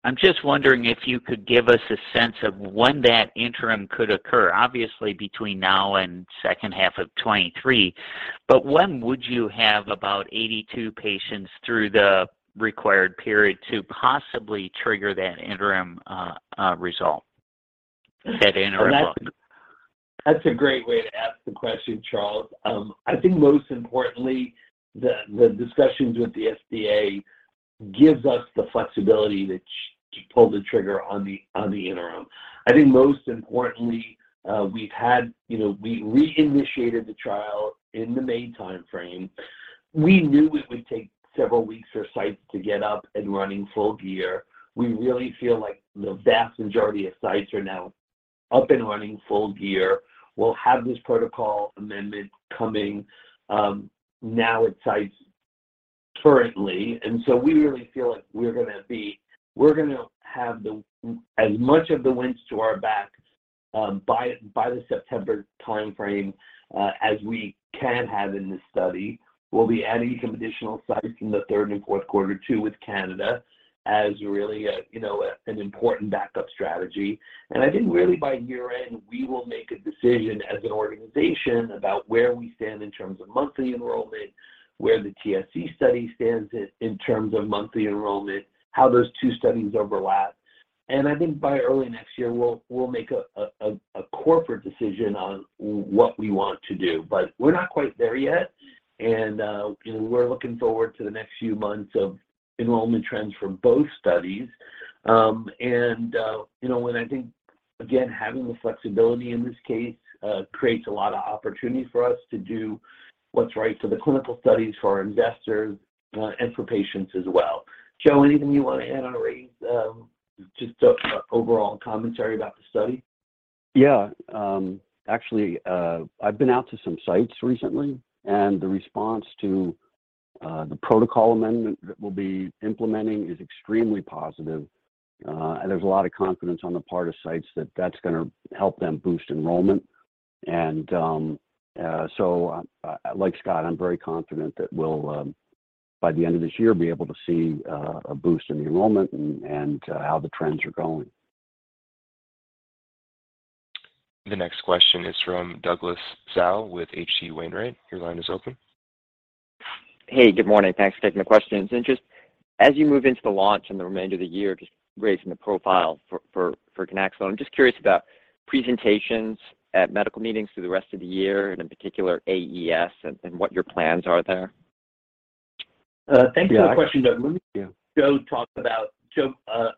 I'm wondering if you could give us a sense of when that interim could occur, obviously between now and second half of 2023. When would you have about 82 patients through the required period to possibly trigger that interim result, that interim look? That's a great way to ask the question, Charles. I think most importantly, the discussions with the FDA gives us the flexibility to pull the trigger on the interim. I think most importantly, we've had, you know, we reinitiated the trial in the main time frame. We knew it would take several weeks for sites to get up and running full gear. We really feel like the vast majority of sites are now up and running full gear. We'll have this protocol amendment coming now at sites currently. We really feel like we're gonna have as much of the winds to our back by the September time frame as we can have in this study. We'll be adding some additional sites in the third and fourth quarter too with Canada as really, you know, an important backup strategy. I think really by year-end, we will make a decision as an organization about where we stand in terms of monthly enrollment, where the TSC study stands in terms of monthly enrollment, how those two studies overlap. I think by early next year, we'll make a corporate decision on what we want to do. But we're not quite there yet, and you know, we're looking forward to the next few months of enrollment trends from both studies. You know, again, having the flexibility in this case creates a lot of opportunities for us to do what's right for the clinical studies, for our investors, and for patients as well. Joe, anything you want to add on or raise? Just a overall commentary about the study. Yeah. Actually, I've been out to some sites recently, and the response to the protocol amendment that we'll be implementing is extremely positive. There's a lot of confidence on the part of sites that that's gonna help them boost enrollment. Like Scott, I'm very confident that we'll by the end of this year be able to see a boost in the enrollment and how the trends are going. The next question is from Douglas Tsao with H.C. Wainwright. Your line is open. Hey, good morning. Thanks for taking the questions. Just as you move into the launch and the remainder of the year, just raising the profile for ganaxolone. I'm just curious about presentations at medical meetings through the rest of the year and in particular AES and what your plans are there. Thanks for the question, Doug. Yeah. Joe,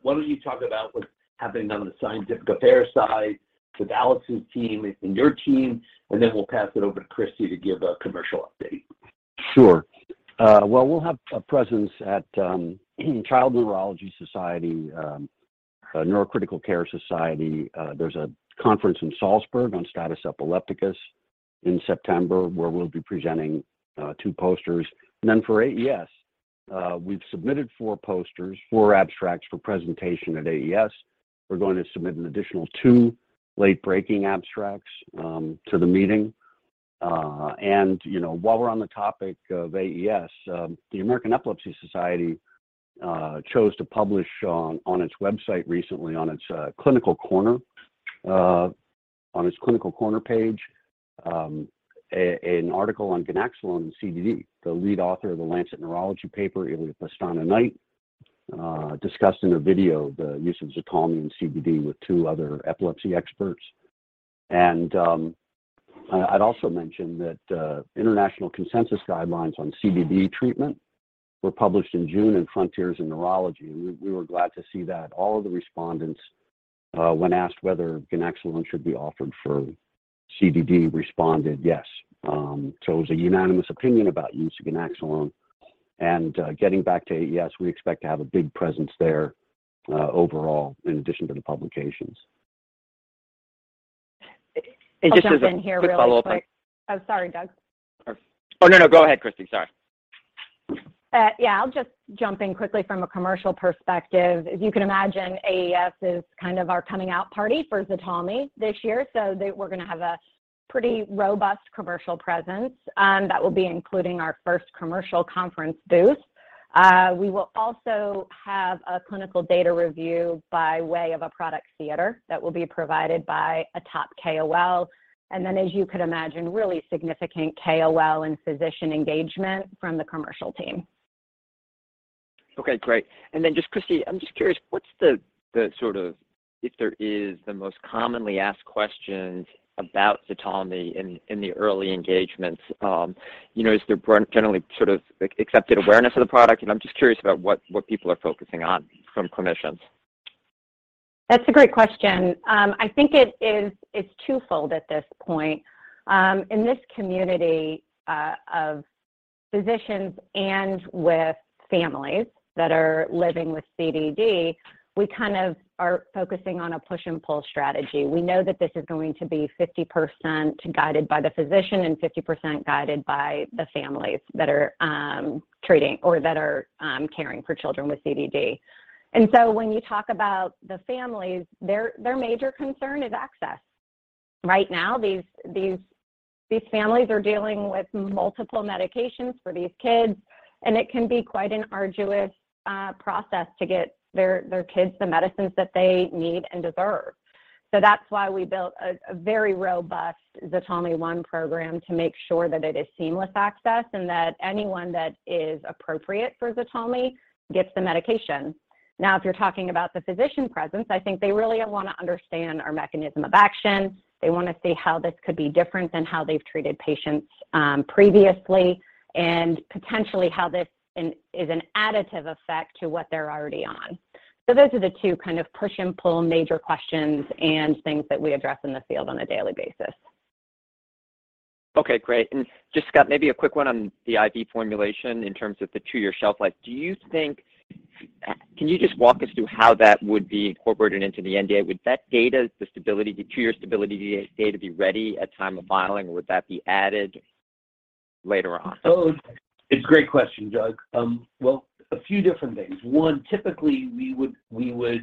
why don't you talk about what's happening on the scientific affairs side with Alex's team and your team, and then we'll pass it over to Christy to give a commercial update. Sure. Well, we'll have a presence at Child Neurology Society, Neurocritical Care Society. There's a conference in Salzburg on status epilepticus in September, where we'll be presenting two posters. Then for AES, we've submitted four posters, four abstracts for presentation at AES. We're going to submit an additional two late-breaking abstracts to the meeting. You know, while we're on the topic of AES, the American Epilepsy Society chose to publish on its website recently on its Clinical Corner page an article on ganaxolone and CBD. The lead author of the Lancet Neurology paper, Elia Pestana-Knight, discussed in a video the use of ZTALMY and CBD with two other epilepsy experts. I'd also mention that international consensus guidelines on CDD treatment were published in June in Frontiers in Neurology. We were glad to see that all of the respondents, when asked whether ganaxolone should be offered for CDD, responded yes. It was a unanimous opinion about use of ganaxolone. Getting back to AES, we expect to have a big presence there overall in addition to the publications. I'll just ask as a quick follow-up. I'll jump in here really quickly. Oh, sorry, Doug. Oh, no. Go ahead, Christy. Sorry. Yeah, I'll just jump in quickly from a commercial perspective. As you can imagine, AES is kind of our coming out party for ZTALMY this year, so we're gonna have a pretty robust commercial presence, that will be including our first commercial conference booth. We will also have a clinical data review by way of a product theater that will be provided by a top KOL. Then as you could imagine, really significant KOL and physician engagement from the commercial team. Okay, great. Then just Christy, I'm just curious, what's the sort of, if there is the most commonly asked questions about ZTALMY in the early engagements? You know, is there generally sort of like accepted awareness of the product? I'm just curious about what people are focusing on from clinicians. That's a great question. I think it is, it's twofold at this point. In this community of physicians and with families that are living with CDD, we kind of are focusing on a push and pull strategy. We know that this is going to be 50% guided by the physician and 50% guided by the families that are treating or that are caring for children with CDD. When you talk about the families, their major concern is access. Right now, these families are dealing with multiple medications for these kids, and it can be quite an arduous process to get their kids the medicines that they need and deserve. That's why we built a very robust ZTALMY One program to make sure that it is seamless access and that anyone that is appropriate for ZTALMY gets the medication. Now, if you're talking about the physician perspective, I think they really wanna understand our mechanism of action. They wanna see how this could be different than how they've treated patients previously, and potentially how this is an additive effect to what they're already on. Those are the two kind of push and pull major questions and things that we address in the field on a daily basis. Okay, great. Just Scott, maybe a quick one on the IV formulation in terms of the two year shelf life. Can you just walk us through how that would be incorporated into the NDA? Would that data, the stability, the 2-year stability data be ready at time of filing, or would that be added later on? It's a great question, Doug. Well, a few different things. One, typically, we wanna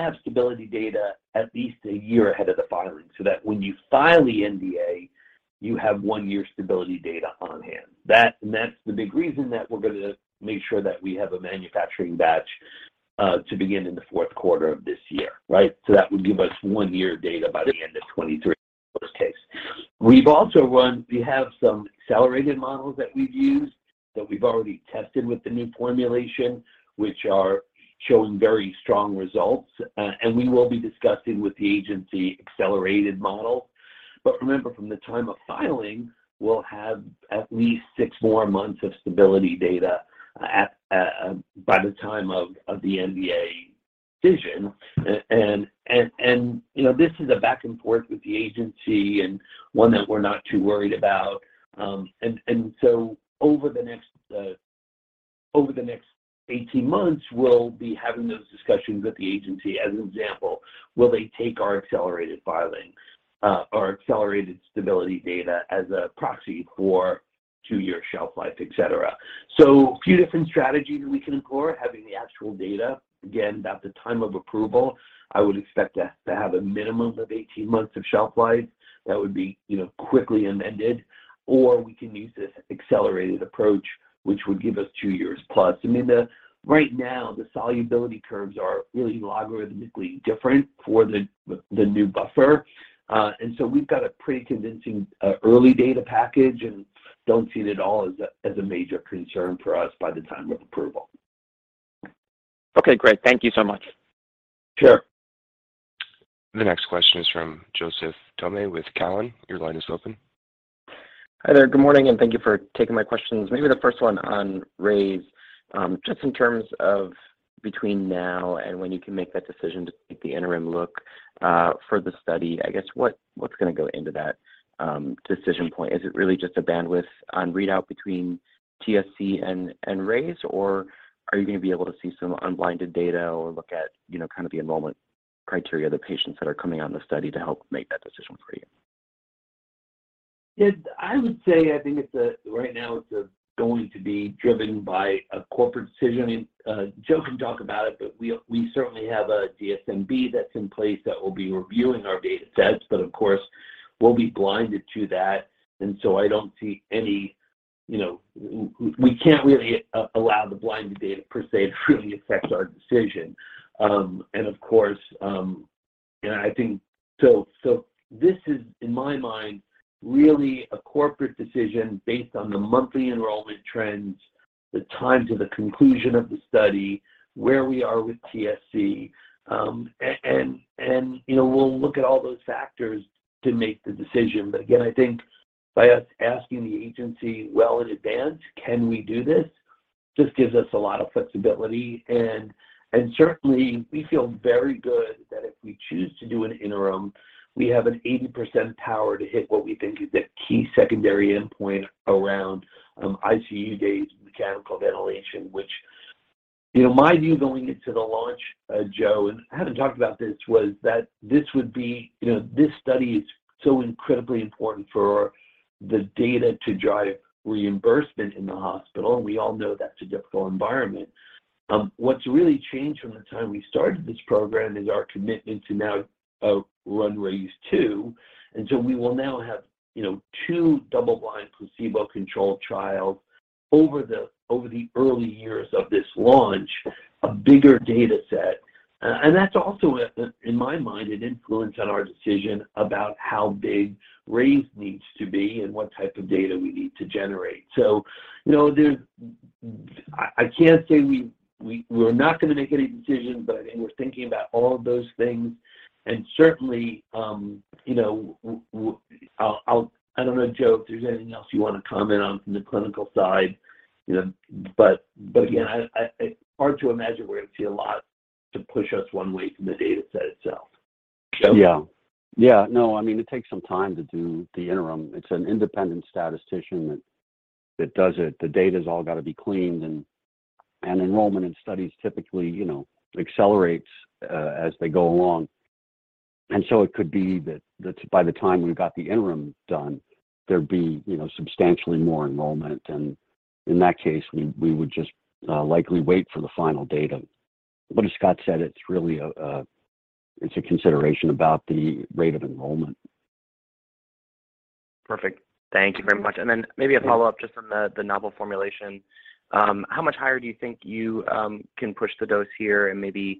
have stability data at least a year ahead of the filing so that when you file the NDA, you have one year stability data on hand. That's the big reason that we're gonna make sure that we have a manufacturing batch to begin in the fourth quarter of this year, right? That would give us one year data by the end of 2023, worst case. We have some accelerated models that we've used, that we've already tested with the new formulation, which are showing very strong results. We will be discussing with the agency accelerated models. Remember, from the time of filing, we'll have at least six more months of stability data by the time of the NDA filing decision. You know, this is a back and forth with the agency and one that we're not too worried about. Over the next 18 months, we'll be having those discussions with the agency. As an example, will they take our accelerated filings or accelerated stability data as a proxy for two year shelf life, et cetera. A few different strategies we can explore, having the actual data, again, at the time of approval, I would expect to have a minimum of 18 months of shelf life that would be, you know, quickly amended, or we can use this accelerated approach, which would give us two years plus. I mean, right now, the solubility curves are really logarithmically different for the new buffer. We've got a pretty convincing early data package and don't see it at all as a major concern for us by the time of approval. Okay, great. Thank you so much. Sure. The next question is from Joseph Thome with Cowen. Your line is open. Hi there. Good morning, and thank you for taking my questions. Maybe the first one on RAISE, just in terms of between now and when you can make that decision to take the interim look for the study. I guess, what's gonna go into that decision point? Is it really just a bandwidth on readout between TSC and RAISE, or are you gonna be able to see some unblinded data or look at, you know, kind of the enrollment criteria of the patients that are coming on the study to help make that decision for you? Yes. I would say I think it's right now going to be driven by a corporate decision. Joe can talk about it, but we certainly have a DSMB that's in place that will be reviewing our datasets. Of course, we'll be blinded to that. I don't see any, you know, we can't really allow the blinded data per se to really affect our decision. Of course, I think this is, in my mind, really a corporate decision based on the monthly enrollment trends, the timing of the conclusion of the study, where we are with TSC, and, you know, we'll look at all those factors to make the decision. Again, I think by us asking the agency well in advance, "Can we do this?" just gives us a lot of flexibility. Certainly we feel very good that if we choose to do an interim, we have an 80% power to hit what we think is a key secondary endpoint around ICU days and mechanical ventilation, which, you know, my view going into the launch, Joe, and I haven't talked about this, was that this would be, you know, this study is so incredibly important for the data to drive reimbursement in the hospital, and we all know that's a difficult environment. What's really changed from the time we started this program is our commitment to now run RAISE II. We will now have, you know, two double-blind placebo-controlled trials over the early years of this launch, a bigger dataset. That's also, in my mind, an influence on our decision about how big RAISE needs to be and what type of data we need to generate. I can't say we're not gonna make any decisions, but we're thinking about all of those things. Certainly, I don't know, Joe, if there's anything else you want to comment on from the clinical side, but again, it's hard to imagine we're going to see a lot to push us one way from the dataset itself. Joe? I mean, it takes some time to do the interim. It's an independent statistician that does it. The data's all got to be cleaned and enrollment in studies typically accelerates as they go along. It could be that by the time we got the interim done, there'd be, you know, substantially more enrollment. In that case, we would just likely wait for the final data. As Scott said, it's really a consideration about the rate of enrollment. Perfect. Thank you very much. Maybe a follow-up just on the novel formulation. How much higher do you think you can push the dose here? Maybe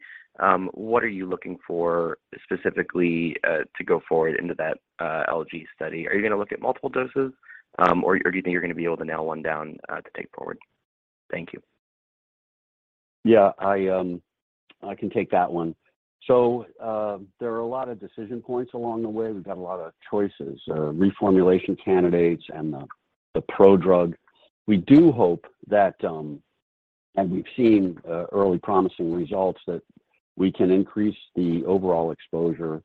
what are you looking for specifically to go forward into that LGS study? Are you gonna look at multiple doses? Or do you think you're gonna be able to nail one down to take forward? Thank you. Yeah. I can take that one. There are a lot of decision points along the way. We've got a lot of choices, reformulation candidates and the prodrug. We do hope that and we've seen early promising results that we can increase the overall exposure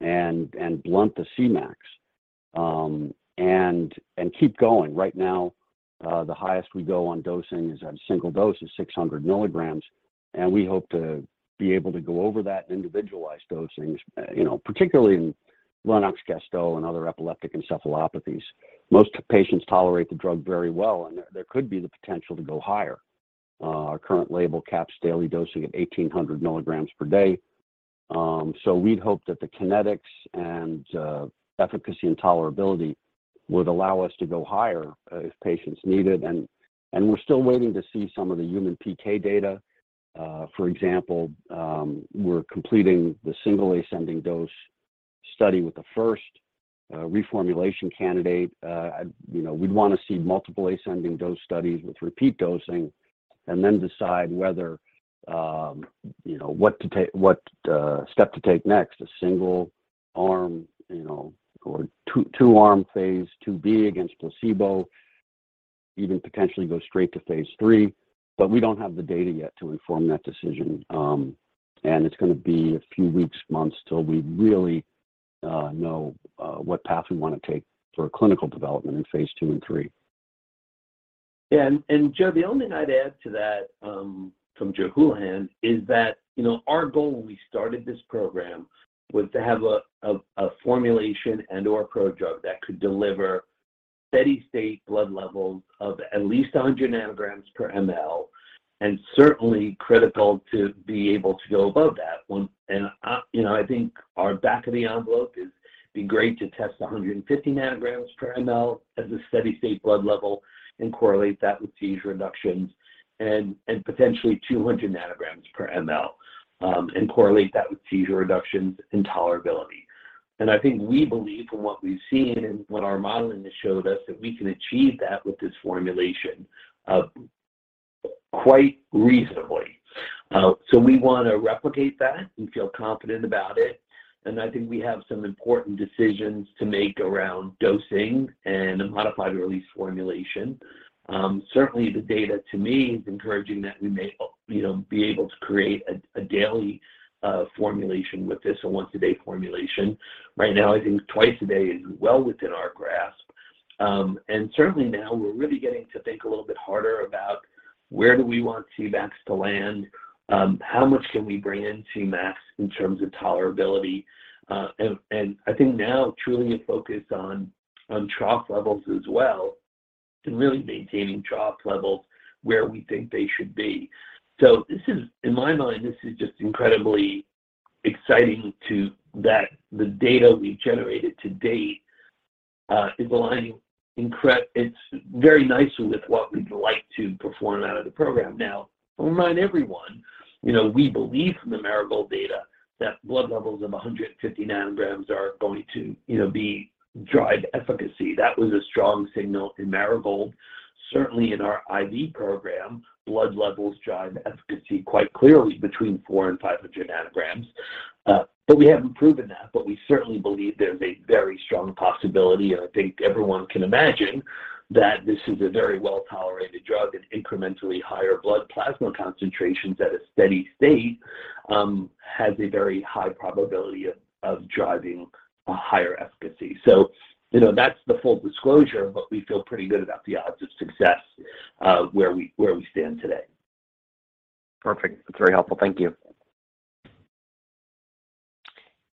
and blunt the Cmax and keep going. Right now, the highest we go on dosing is at a single dose is 600 mg, and we hope to be able to go over that in individualized dosings, you know, particularly in Lennox-Gastaut and other epileptic encephalopathies. Most patients tolerate the drug very well, and there could be the potential to go higher. Our current label caps daily dosing at 1,800 milligrams per day. We'd hope that the kinetics and efficacy and tolerability would allow us to go higher if patients need it. We're still waiting to see some of the human PK data. For example, we're completing the single ascending dose study with the first reformulation candidate. You know, we'd wanna see multiple ascending dose studies with repeat dosing and then decide whether you know what step to take next, a single arm you know or two-arm phase IIb against placebo. Even potentially go straight to phase III. We don't have the data yet to inform that decision, and it's going to be a few weeks, months till we really know what path we want to take for clinical development in phase II and 3. Yeah. Joe, the only thing I'd add to that from Joe Hulihan is that, you know, our goal when we started this program was to have a formulation and, or a prodrug that could deliver steady-state blood levels of at least 100 nanograms per mL, and certainly critical to be able to go above that. You know, I think our back-of-the-envelope it'd be great to test 150 nanograms per mL as a steady-state blood level and correlate that with seizure reductions and potentially 200 nanograms per mL and correlate that with seizure reductions and tolerability. I think we believe from what we've seen and what our modeling has showed us that we can achieve that with this formulation quite reasonably. We want to replicate that and feel confident about it. I think we have some important decisions to make around dosing and a modified release formulation. Certainly the data to me is encouraging that we may, you know, be able to create a daily formulation with this, a once a day formulation. Right now, I think twice a day is well within our grasp. Certainly now we're really getting to think a little bit harder about where do we want Cmax to land, how much can we bring in Cmax in terms of tolerability. I think now truly a focus on trough levels as well, and really maintaining trough levels where we think they should be. In my mind, this is just incredibly exciting that the data we generated to date is aligning very nicely with what we'd like to perform out of the program. Now, remind everyone, you know, we believe from the Marigold data that blood levels of 150ng are going to, you know, be drive efficacy. That was a strong signal in Marigold. Certainly in our IV program, blood levels drive efficacy quite clearly between 400 and 500 ng. But we haven't proven that. We certainly believe there's a very strong possibility, and I think everyone can imagine that this is a very well-tolerated drug and incrementally higher blood plasma concentrations at a steady state has a very high probability of driving a higher efficacy. You know, that's the full disclosure, but we feel pretty good about the odds of success, where we stand today. Perfect. That's very helpful. Thank you.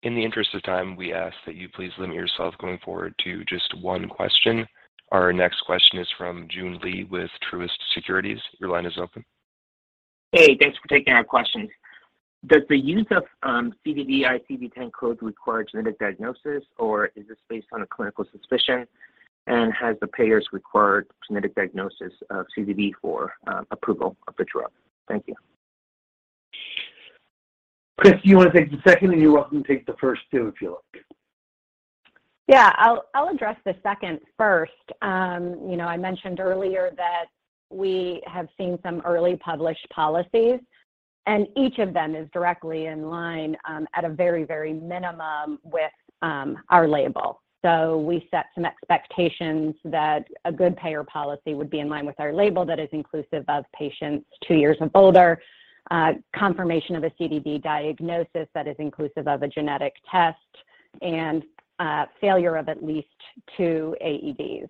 In the interest of time, we ask that you please limit yourself going forward to just one question. Our next question is from Joon Lee with Truist Securities. Your line is open. Hey. Thanks for taking our questions. Does the use of CDD ICD-10 codes require genetic diagnosis, or is this based on a clinical suspicion? Has the payers required genetic diagnosis of CDD for approval of the drug? Thank you. Chris, do you wanna take the second? You're welcome to take the first too, if you like. Yeah. I'll address the second first. You know, I mentioned earlier that we have seen some early published policies, and each of them is directly in line, at a very, very minimum with our label. We set some expectations that a good payer policy would be in line with our label that is inclusive of patients two years and older, confirmation of a CDD diagnosis that is inclusive of a genetic test and failure of at least 2two AEDs.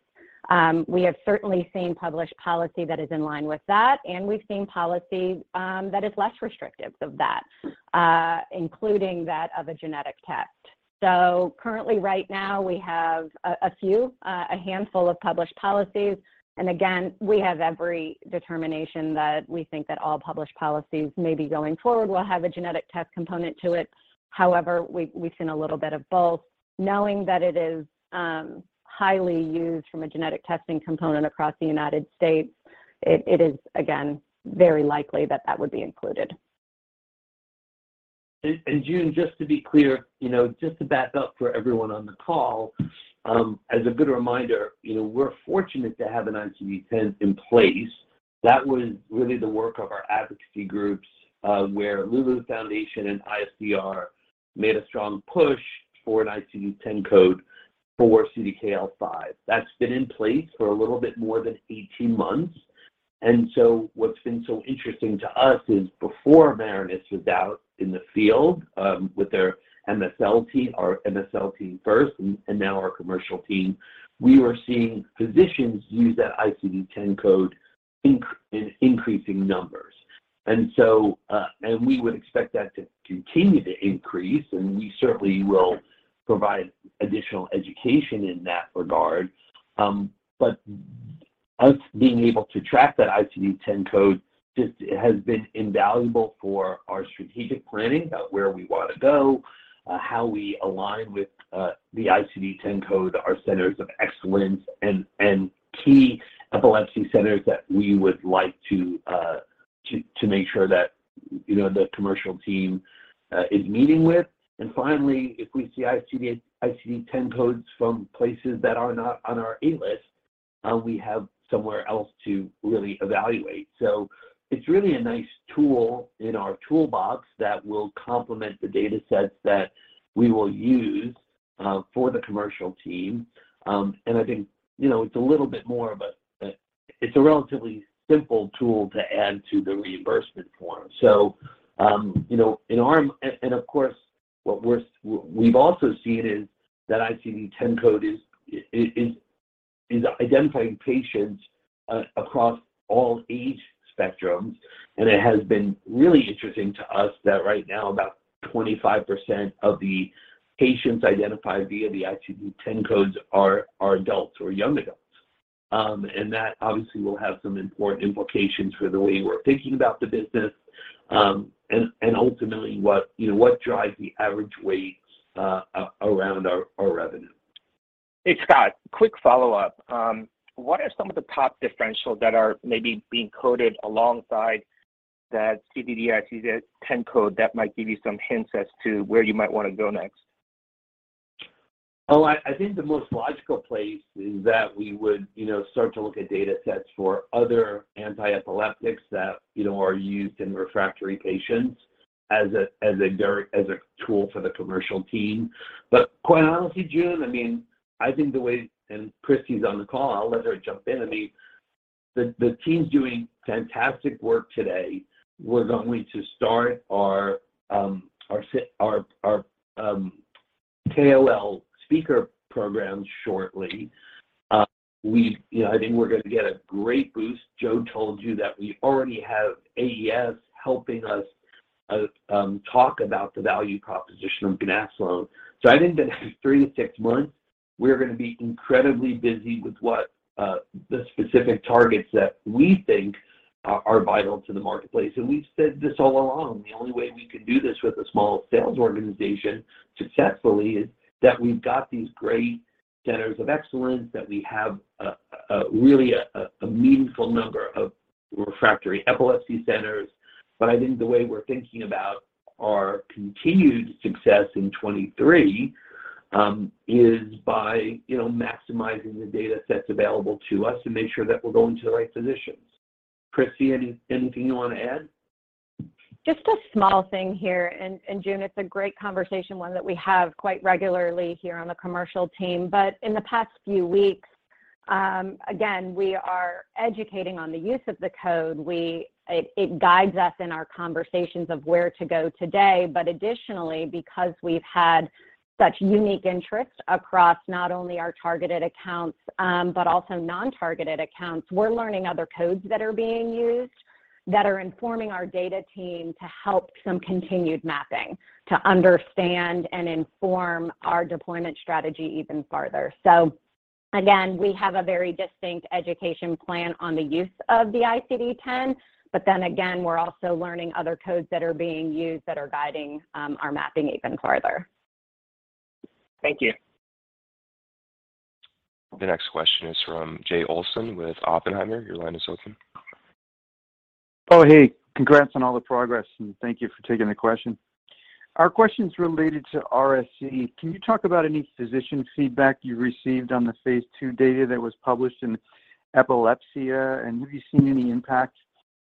We have certainly seen published policy that is in line with that, and we've seen policy that is less restrictive of that, including that of a genetic test. Currently right now we have a few, a handful of published policies. Again, we have every determination that we think that all published policies maybe going forward will have a genetic test component to it. However, we've seen a little bit of both. Knowing that it is highly used from a genetic testing component across the United States, it is again, very likely that that would be included. Joon, just to be clear, you know, just to back up for everyone on the call, as a good reminder, you know, we're fortunate to have an ICD-10 in place. That was really the work of our advocacy groups, where Loulou Foundation and IFCR made a strong push for an ICD-10 code for CDKL5. That's been in place for a little bit more than 18 months. What's been so interesting to us is before Marinus was out in the field, with their MSL team, our MSL team first and now our commercial team, we were seeing physicians use that ICD-10 code in increasing numbers. We would expect that to continue to increase, and we certainly will provide additional education in that regard. Us being able to track that ICD-10 code just has been invaluable for our strategic planning about where we wanna go, how we align with the ICD-10 code, our centers of excellence and key epilepsy centers that we would like to make sure that, you know, the commercial team is meeting with. Finally, if we see ICD-10 codes from places that are not on our A list, we have somewhere else to really evaluate. It's really a nice tool in our toolbox that will complement the data sets that we will use for the commercial team. I think, you know, it's a little bit more of a. It's a relatively simple tool to add to the reimbursement form. You know, of course, what we've also seen is that ICD-10 code is identifying patients across all age spectrums, and it has been really interesting to us that right now, about 25% of the patients identified via the ICD-10 codes are adults or young adults. That obviously will have some important implications for the way we're thinking about the business, and ultimately what, you know, what drives the weighted average around our revenue. Hey, Scott. Quick follow-up. What are some of the top differentials that are maybe being coded alongside that CDD ICD-10 code that might give you some hints as to where you might wanna go next? I think the most logical place is that we would, you know, start to look at data sets for other anti-epileptics that, you know, are used in refractory patients as a tool for the commercial team. Quite honestly, Joon, I mean, I think the way. Christy's on the call. I'll let her jump in. I mean, the team's doing fantastic work today. We're going to start our KOL speaker program shortly. You know, I think we're gonna get a great boost. Joe told you that we already have AES helping us talk about the value proposition of ganaxolone. I think that 3-6 months, we're gonna be incredibly busy with what the specific targets that we think are vital to the marketplace. We've said this all along. The only way we can do this with a small sales organization successfully is that we've got these great centers of excellence, that we have a really meaningful number of refractory epilepsy centers. I think the way we're thinking about our continued success in 2023 is by you know, maximizing the data sets available to us to make sure that we're going to the right physicians. Christy, anything you wanna add? Just a small thing here. Joon, it's a great conversation, one that we have quite regularly here on the commercial team. In the past few weeks, again, we are educating on the use of the code. It guides us in our conversations of where to go today. Additionally, because we've had such unique interest across not only our targeted accounts, but also non-targeted accounts, we're learning other codes that are being used that are informing our data team to help some continued mapping to understand and inform our deployment strategy even farther. We have a very distinct education plan on the use of the ICD-10, but then again, we're also learning other codes that are being used that are guiding our mapping even farther. Thank you. The next question is from Jay Olson with Oppenheimer. Your line is open. Oh, hey. Congrats on all the progress, and thank you for taking the question. Our question's related to RSE. Can you talk about any physician feedback you received on the phase II data that was published in Epilepsia? And have you seen any impact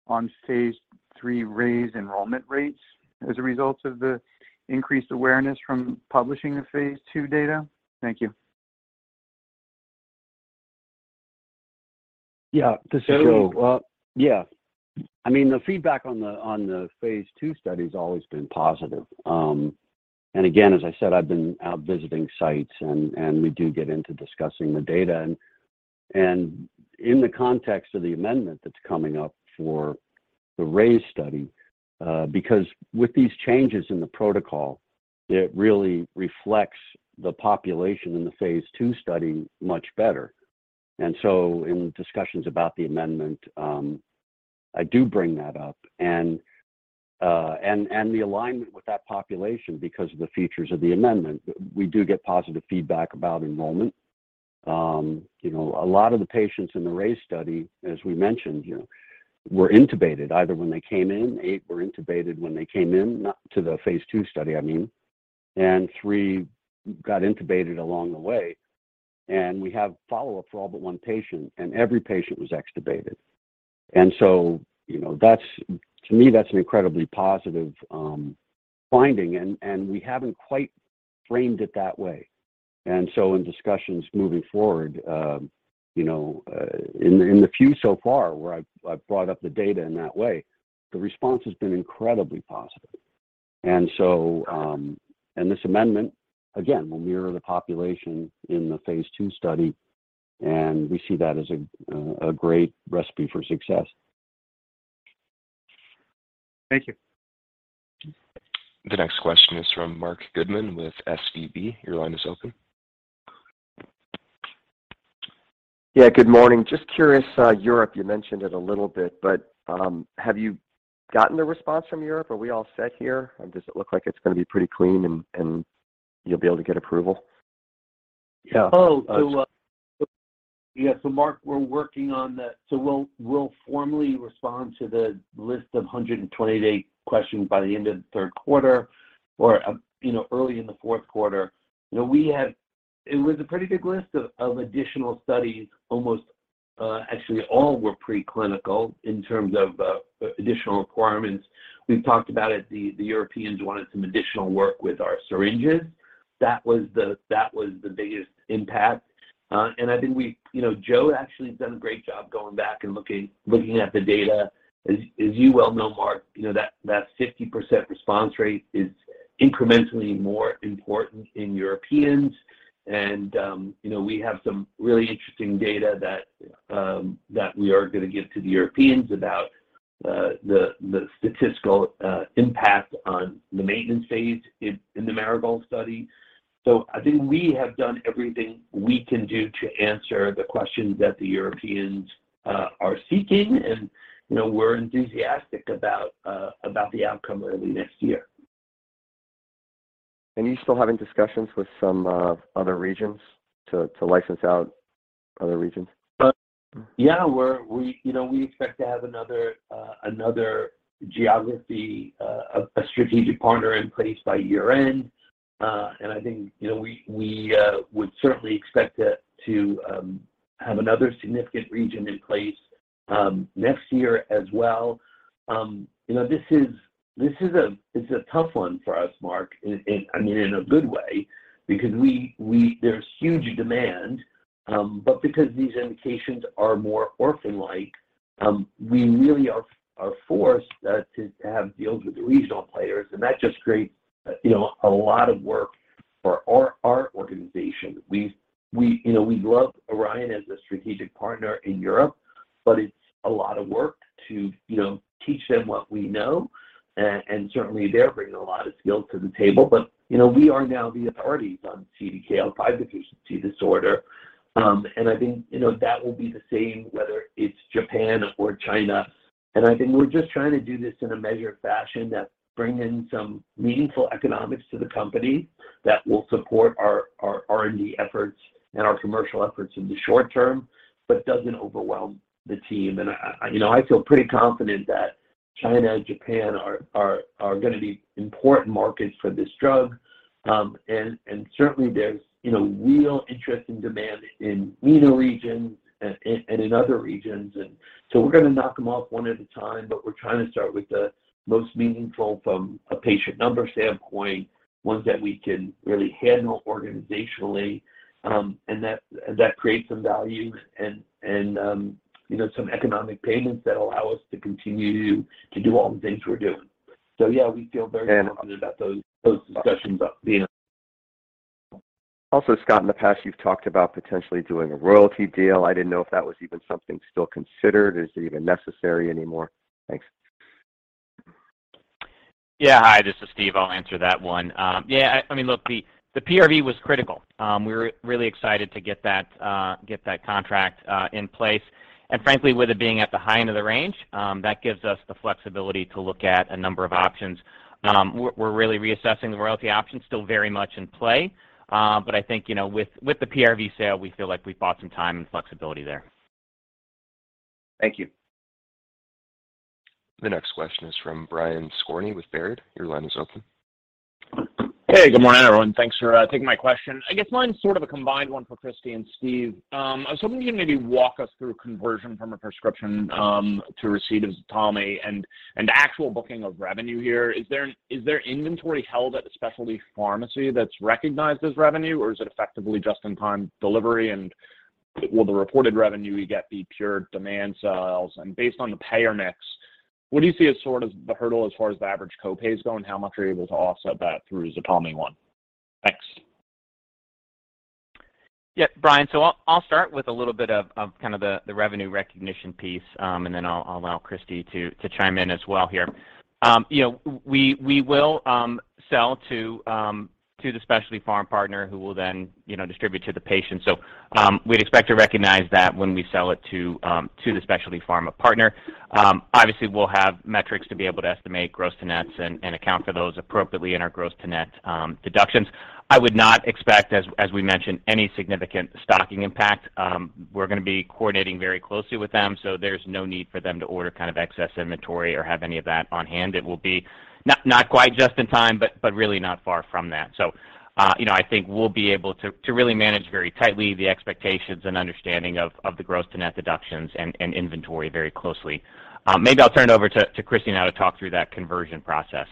on phase III RAISE enrollment rates as a result of the increased awareness from publishing the phase II data? Thank you. Yeah. This is Joe. So- Well, yeah. I mean, the feedback on the phase two study's always been positive. Again, as I said, I've been out visiting sites and we do get into discussing the data. In the context of the amendment that's coming up for the RAISE study, because with these changes in the protocol, it really reflects the population in the phase two study much better. In discussions about the amendment, I do bring that up and the alignment with that population because of the features of the amendment. We do get positive feedback about enrollment. You know, a lot of the patients in the RAISE study, as we mentioned, you know, were intubated either when they came in. 8 were intubated when they came in. Not to the phase two study, I mean. 3 got intubated along the way. We have follow-up for all but one patient, and every patient was extubated. You know, that's, to me, an incredibly positive finding and we haven't quite framed it that way. In discussions moving forward, you know, in the few so far where I've brought up the data in that way, the response has been incredibly positive. This amendment, again, will mirror the population in the phase two study, and we see that as a great recipe for success. Thank you. The next question is from Marc Goodman with SVB. Your line is open. Yeah. Good morning. Just curious, Europe, you mentioned it a little bit. Have you gotten the response from Europe? Are we all set here? Does it look like it's gonna be pretty clean and you'll be able to get approval? Yeah. Marc, we'll formally respond to the list of 128 questions by the end of the third quarter or, you know, early in the fourth quarter. You know, we have. It was a pretty big list of additional studies, almost. Actually all were preclinical in terms of additional requirements. We've talked about it, the Europeans wanted some additional work with our syringes. That was the biggest impact. I think you know, Joe actually has done a great job going back and looking at the data. As you well know, Marc, you know that 50% response rate is incrementally more important in Europeans. You know, we have some really interesting data that we are gonna give to the Europeans about the statistical impact on the maintenance phase in the Marigold study. I think we have done everything we can do to answer the questions that the Europeans are seeking. You know, we're enthusiastic about the outcome early next year. Are you still having discussions with some other regions to license out other regions? Yeah, we, you know, we expect to have another geography, a strategic partner in place by year-end. I think, you know, we would certainly expect to have another significant region in place next year as well. You know, it's a tough one for us, Marc. I mean, in a good way because there's huge demand. Because these indications are more orphan-like, we really are forced to have deals with regional players, and that just creates, you know, a lot of work for our organization. We, you know, we love Orion as a strategic partner in Europe, but it's a lot of work to, you know, teach them what we know. Certainly they're bringing a lot of skills to the table. You know, we are now the authorities on CDKL5 deficiency disorder. I think, you know, that will be the same whether it's Japan or China. I think we're just trying to do this in a measured fashion that brings in some meaningful economics to the company that will support our R&D efforts and our commercial efforts in the short term but doesn't overwhelm the team. You know, I feel pretty confident that China and Japan are gonna be important markets for this drug. Certainly there's, you know, real interest and demand in MENA region and in other regions. We're gonna knock them off one at a time, but we're trying to start with the most meaningful from a patient number standpoint, ones that we can really handle organizationally, and that create some value and, you know, some economic payments that allow us to continue to do all the things we're doing. Yeah, we feel very confident about those discussions of, you know. Also, Scott, in the past, you've talked about potentially doing a royalty deal. I didn't know if that was even something still considered. Is it even necessary anymore? Thanks. Yeah. Hi, this is Steve. I'll answer that one. Yeah, I mean, look, the PRV was critical. We were really excited to get that contract in place. Frankly, with it being at the high end of the range, that gives us the flexibility to look at a number of options. We're really reassessing the royalty option, still very much in play. I think, you know, with the PRV sale, we feel like we've bought some time and flexibility there. Thank you. The next question is from Brian Skorney with Baird. Your line is open. Hey, good morning, everyone. Thanks for taking my question. I guess mine's sort of a combined one for Christy and Steve. I was hoping you could maybe walk us through conversion from a prescription to receipt of ZTALMY and actual booking of revenue here. Is there inventory held at a specialty pharmacy that's recognized as revenue, or is it effectively just-in-time delivery, and will the reported revenue get the pure demand sales? And based on the payer mix, what do you see as sort of the hurdle as far as the average copay is going? How much are you able to offset that through ZTALMY One? Thanks. Yeah, Brian Skorney, so I'll start with a little bit of kind of the revenue recognition piece, and then I'll allow Christy Shafer to chime in as well here. You know, we will sell to the specialty pharm partner who will then, you know, distribute to the patient. We'd expect to recognize that when we sell it to the specialty pharma partner. Obviously, we'll have metrics to be able to estimate gross to nets and account for those appropriately in our gross to net deductions. I would not expect, as we mentioned, any significant stocking impact. We're gonna be coordinating very closely with them, so there's no need for them to order kind of excess inventory or have any of that on hand. It will be not quite just in time, but really not far from that. You know, I think we'll be able to really manage very tightly the expectations and understanding of the gross to net deductions and inventory very closely. Maybe I'll turn it over to Christy now to talk through that conversion process.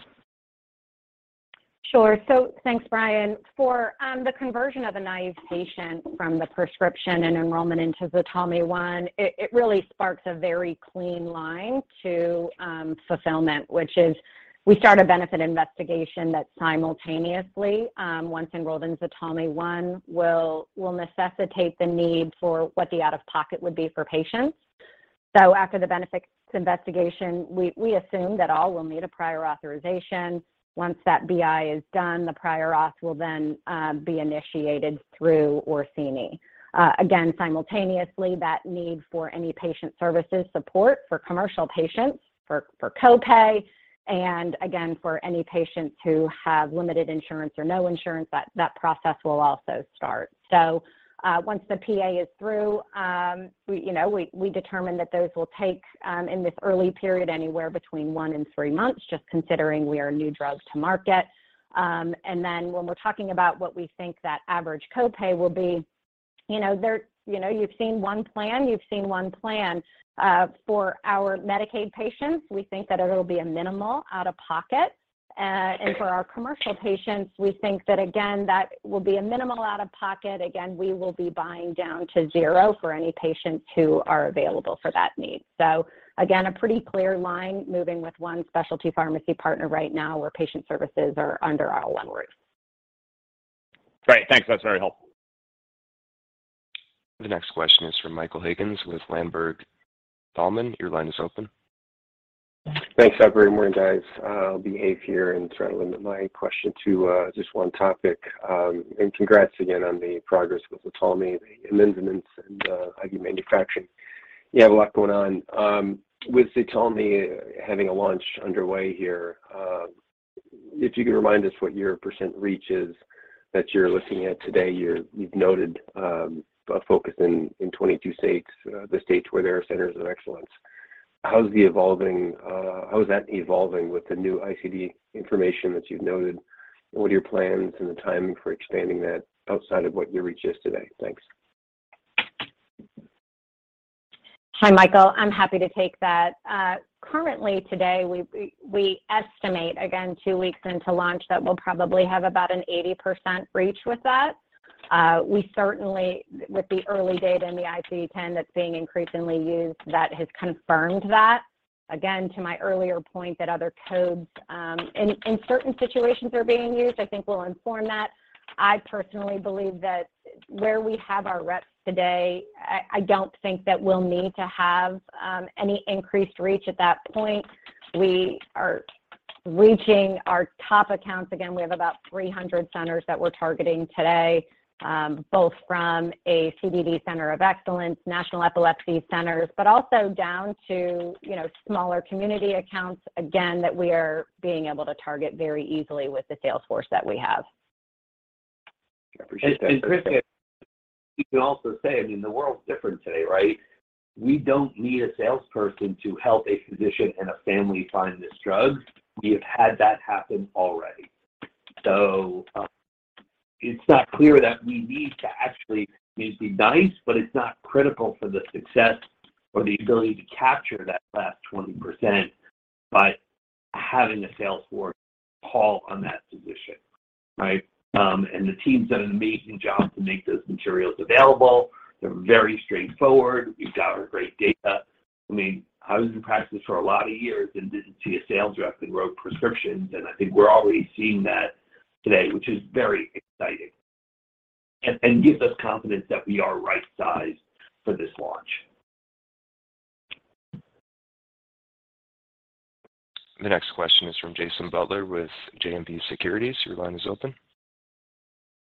Sure. Thanks, Brian. For the conversion of a naive patient from the prescription and enrollment into ZTALMY One, it really sparks a very clean line to fulfillment, which is we start a benefit investigation that simultaneously, once enrolled in ZTALMY One, will necessitate the need for what the out-of-pocket would be for patients. After the benefits investigation, we assume that all will need a prior authorization. Once that BI is done, the prior auth will then be initiated through Orsini. Again, simultaneously, that need for any patient services support for commercial patients, for copay, and again, for any patients who have limited insurance or no insurance, that process will also start. Once the PA is through, we determine that those will take in this early period anywhere between 1 and 3 months, just considering we are a new drug to market. When we're talking about what we think that average copay will be You know, you've seen one plan, you've seen one plan. For our Medicaid patients, we think that it'll be a minimal out-of-pocket. For our commercial patients, we think that again, that will be a minimal out-of-pocket. Again, we will be buying down to zero for any patients who are available for that need. Again, a pretty clear line moving with one specialty pharmacy partner right now where patient services are under our one roof. Great. Thanks. That's very helpful. The next question is from Michael Higgins with Ladenburg Thalmann. Your line is open. Thanks. Have a great morning, guys. I'll behave here and try to limit my question to just one topic. Congrats again on the progress with ZTALMY, the amendments, and IV manufacturing. You have a lot going on. With ZTALMY having a launch underway here, if you can remind us what your patient reach is that you're looking at today. You've noted a focus in 22 states, the states where there are centers of excellence. How is that evolving with the new ICD information that you've noted? What are your plans and the timing for expanding that outside of what your reach is today? Thanks. Hi, Michael. I'm happy to take that. Currently today, we estimate, again, two weeks into launch, that we'll probably have about an 80% reach with that. We certainly, with the early data and the ICD-10 that's being increasingly used, that has confirmed that. Again, to my earlier point that other codes, in certain situations are being used, I think will inform that. I personally believe that where we have our reps today, I don't think that we'll need to have any increased reach at that point. We are reaching our top accounts. Again, we have about 300 centers that we're targeting today, both from a CDD center of excellence, national epilepsy centers, but also down to, you know, smaller community accounts, again, that we are being able to target very easily with the sales force that we have. I appreciate that. Christy, you can also say, I mean, the world's different today, right? We don't need a salesperson to help a physician and a family find this drug. We have had that happen already. It's not clear that we need to actually. It'd be nice, but it's not critical for the success or the ability to capture that last 20% by having a sales force call on that physician, right? The team's done an amazing job to make those materials available. They're very straightforward. We've got our great data. I mean, I was in practice for a lot of years and didn't see a sales rep and wrote prescriptions, and I think we're already seeing that today, which is very exciting, and gives us confidence that we are right-sized for this launch. The next question is from Jason Butler with JMP Securities. Your line is open.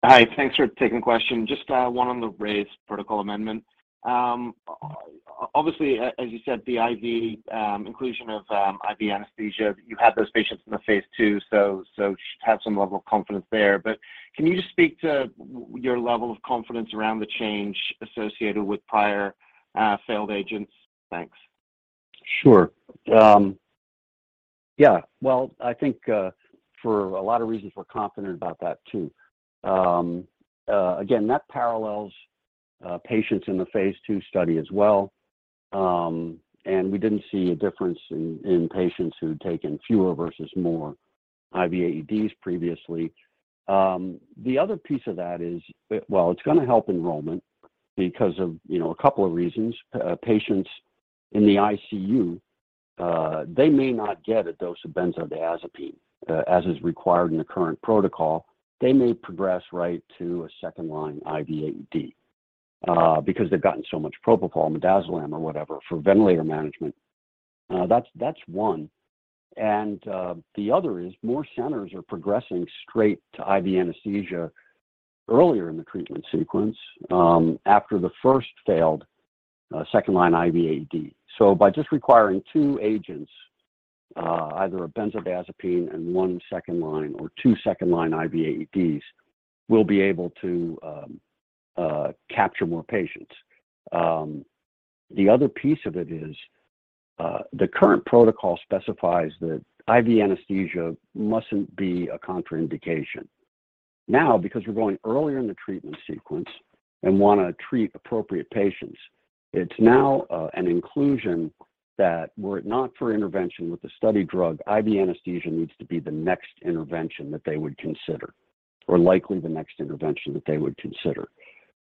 Hi. Thanks for taking the question. Just one on the RAISE protocol amendment. Obviously, as you said, the IV inclusion of IV anesthesia, you had those patients in the phase II, so should have some level of confidence there. But can you just speak to your level of confidence around the change associated with prior failed agents? Thanks. Sure. Yeah. Well, I think, for a lot of reasons, we're confident about that too. Again, that parallels patients in the phase II study as well. We didn't see a difference in patients who'd taken fewer versus more IV AEDs previously. The other piece of that is, well, it's gonna help enrollment because of, you know, a couple of reasons. Patients in the ICU, they may not get a dose of benzodiazepine, as is required in the current protocol. They may progress right to a second-line IV AED, because they've gotten so much propofol, midazolam, or whatever for ventilator management. That's one. The other is more centers are progressing straight to IV anesthesia earlier in the treatment sequence, after the first failed, second-line IV AED. By just requiring two agents, either a benzodiazepine and one second-line or two second-line IV AEDs, we'll be able to capture more patients. The other piece of it is the current protocol specifies that IV anesthesia mustn't be a contraindication. Now, because we're going earlier in the treatment sequence and wanna treat appropriate patients, it's now an inclusion that were it not for intervention with the study drug, IV anesthesia needs to be the next intervention that they would consider, or likely the next intervention that they would consider.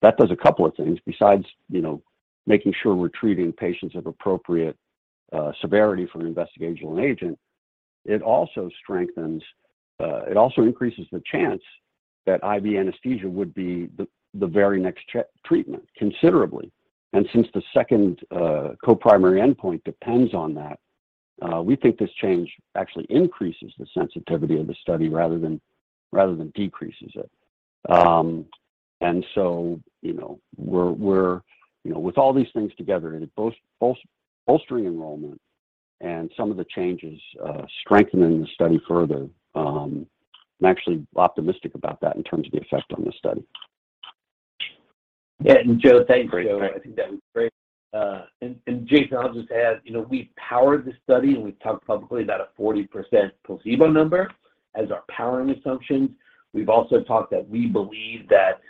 That does a couple of things besides, you know, making sure we're treating patients of appropriate severity for an investigational agent. It also increases the chance that IV anesthesia would be the very next treatment considerably. Since the second co-primary endpoint depends on that, we think this change actually increases the sensitivity of the study rather than decreases it. You know, we're you know. With all these things together, it bolstering enrollment and some of the changes, strengthening the study further, I'm actually optimistic about that in terms of the effect on the study. Yeah. Joe, thanks, Joe. I think that was great. Jason, I'll just add, you know, we powered the study, and we've talked publicly about a 40% placebo number as our powering assumptions. We've also talked that we believe that,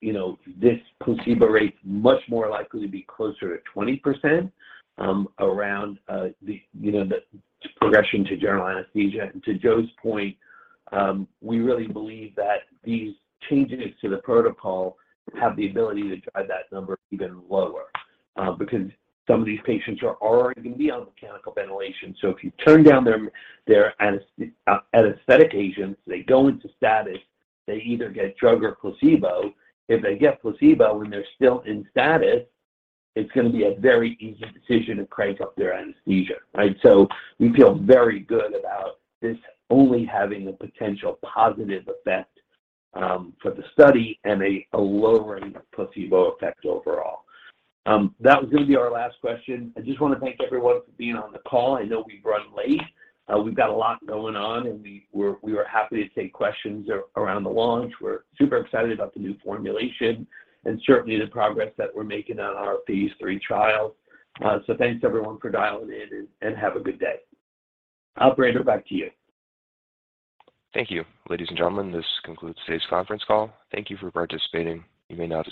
you know, this placebo rate much more likely to be closer to 20%, around, the, you know, the progression to general anesthesia. To Joe's point, we really believe that these changes to the protocol have the ability to drive that number even lower, because some of these patients are already going to be on mechanical ventilation. If you turn down their anesthetic agents, they go into status, they either get drug or placebo. If they get placebo when they're still in status, it's gonna be a very easy decision to crank up their anesthesia, right? We feel very good about this only having a potential positive effect for the study and a lower rate of placebo effect overall. That was gonna be our last question. I just wanna thank everyone for being on the call. I know we've run late. We've got a lot going on, and we were happy to take questions around the launch. We're super excited about the new formulation and certainly the progress that we're making on our phase III trial. Thanks everyone for dialing in and have a good day. Operator, back to you. Thank you. Ladies and gentlemen, this concludes today's conference call. Thank you for participating. You may now disconnect.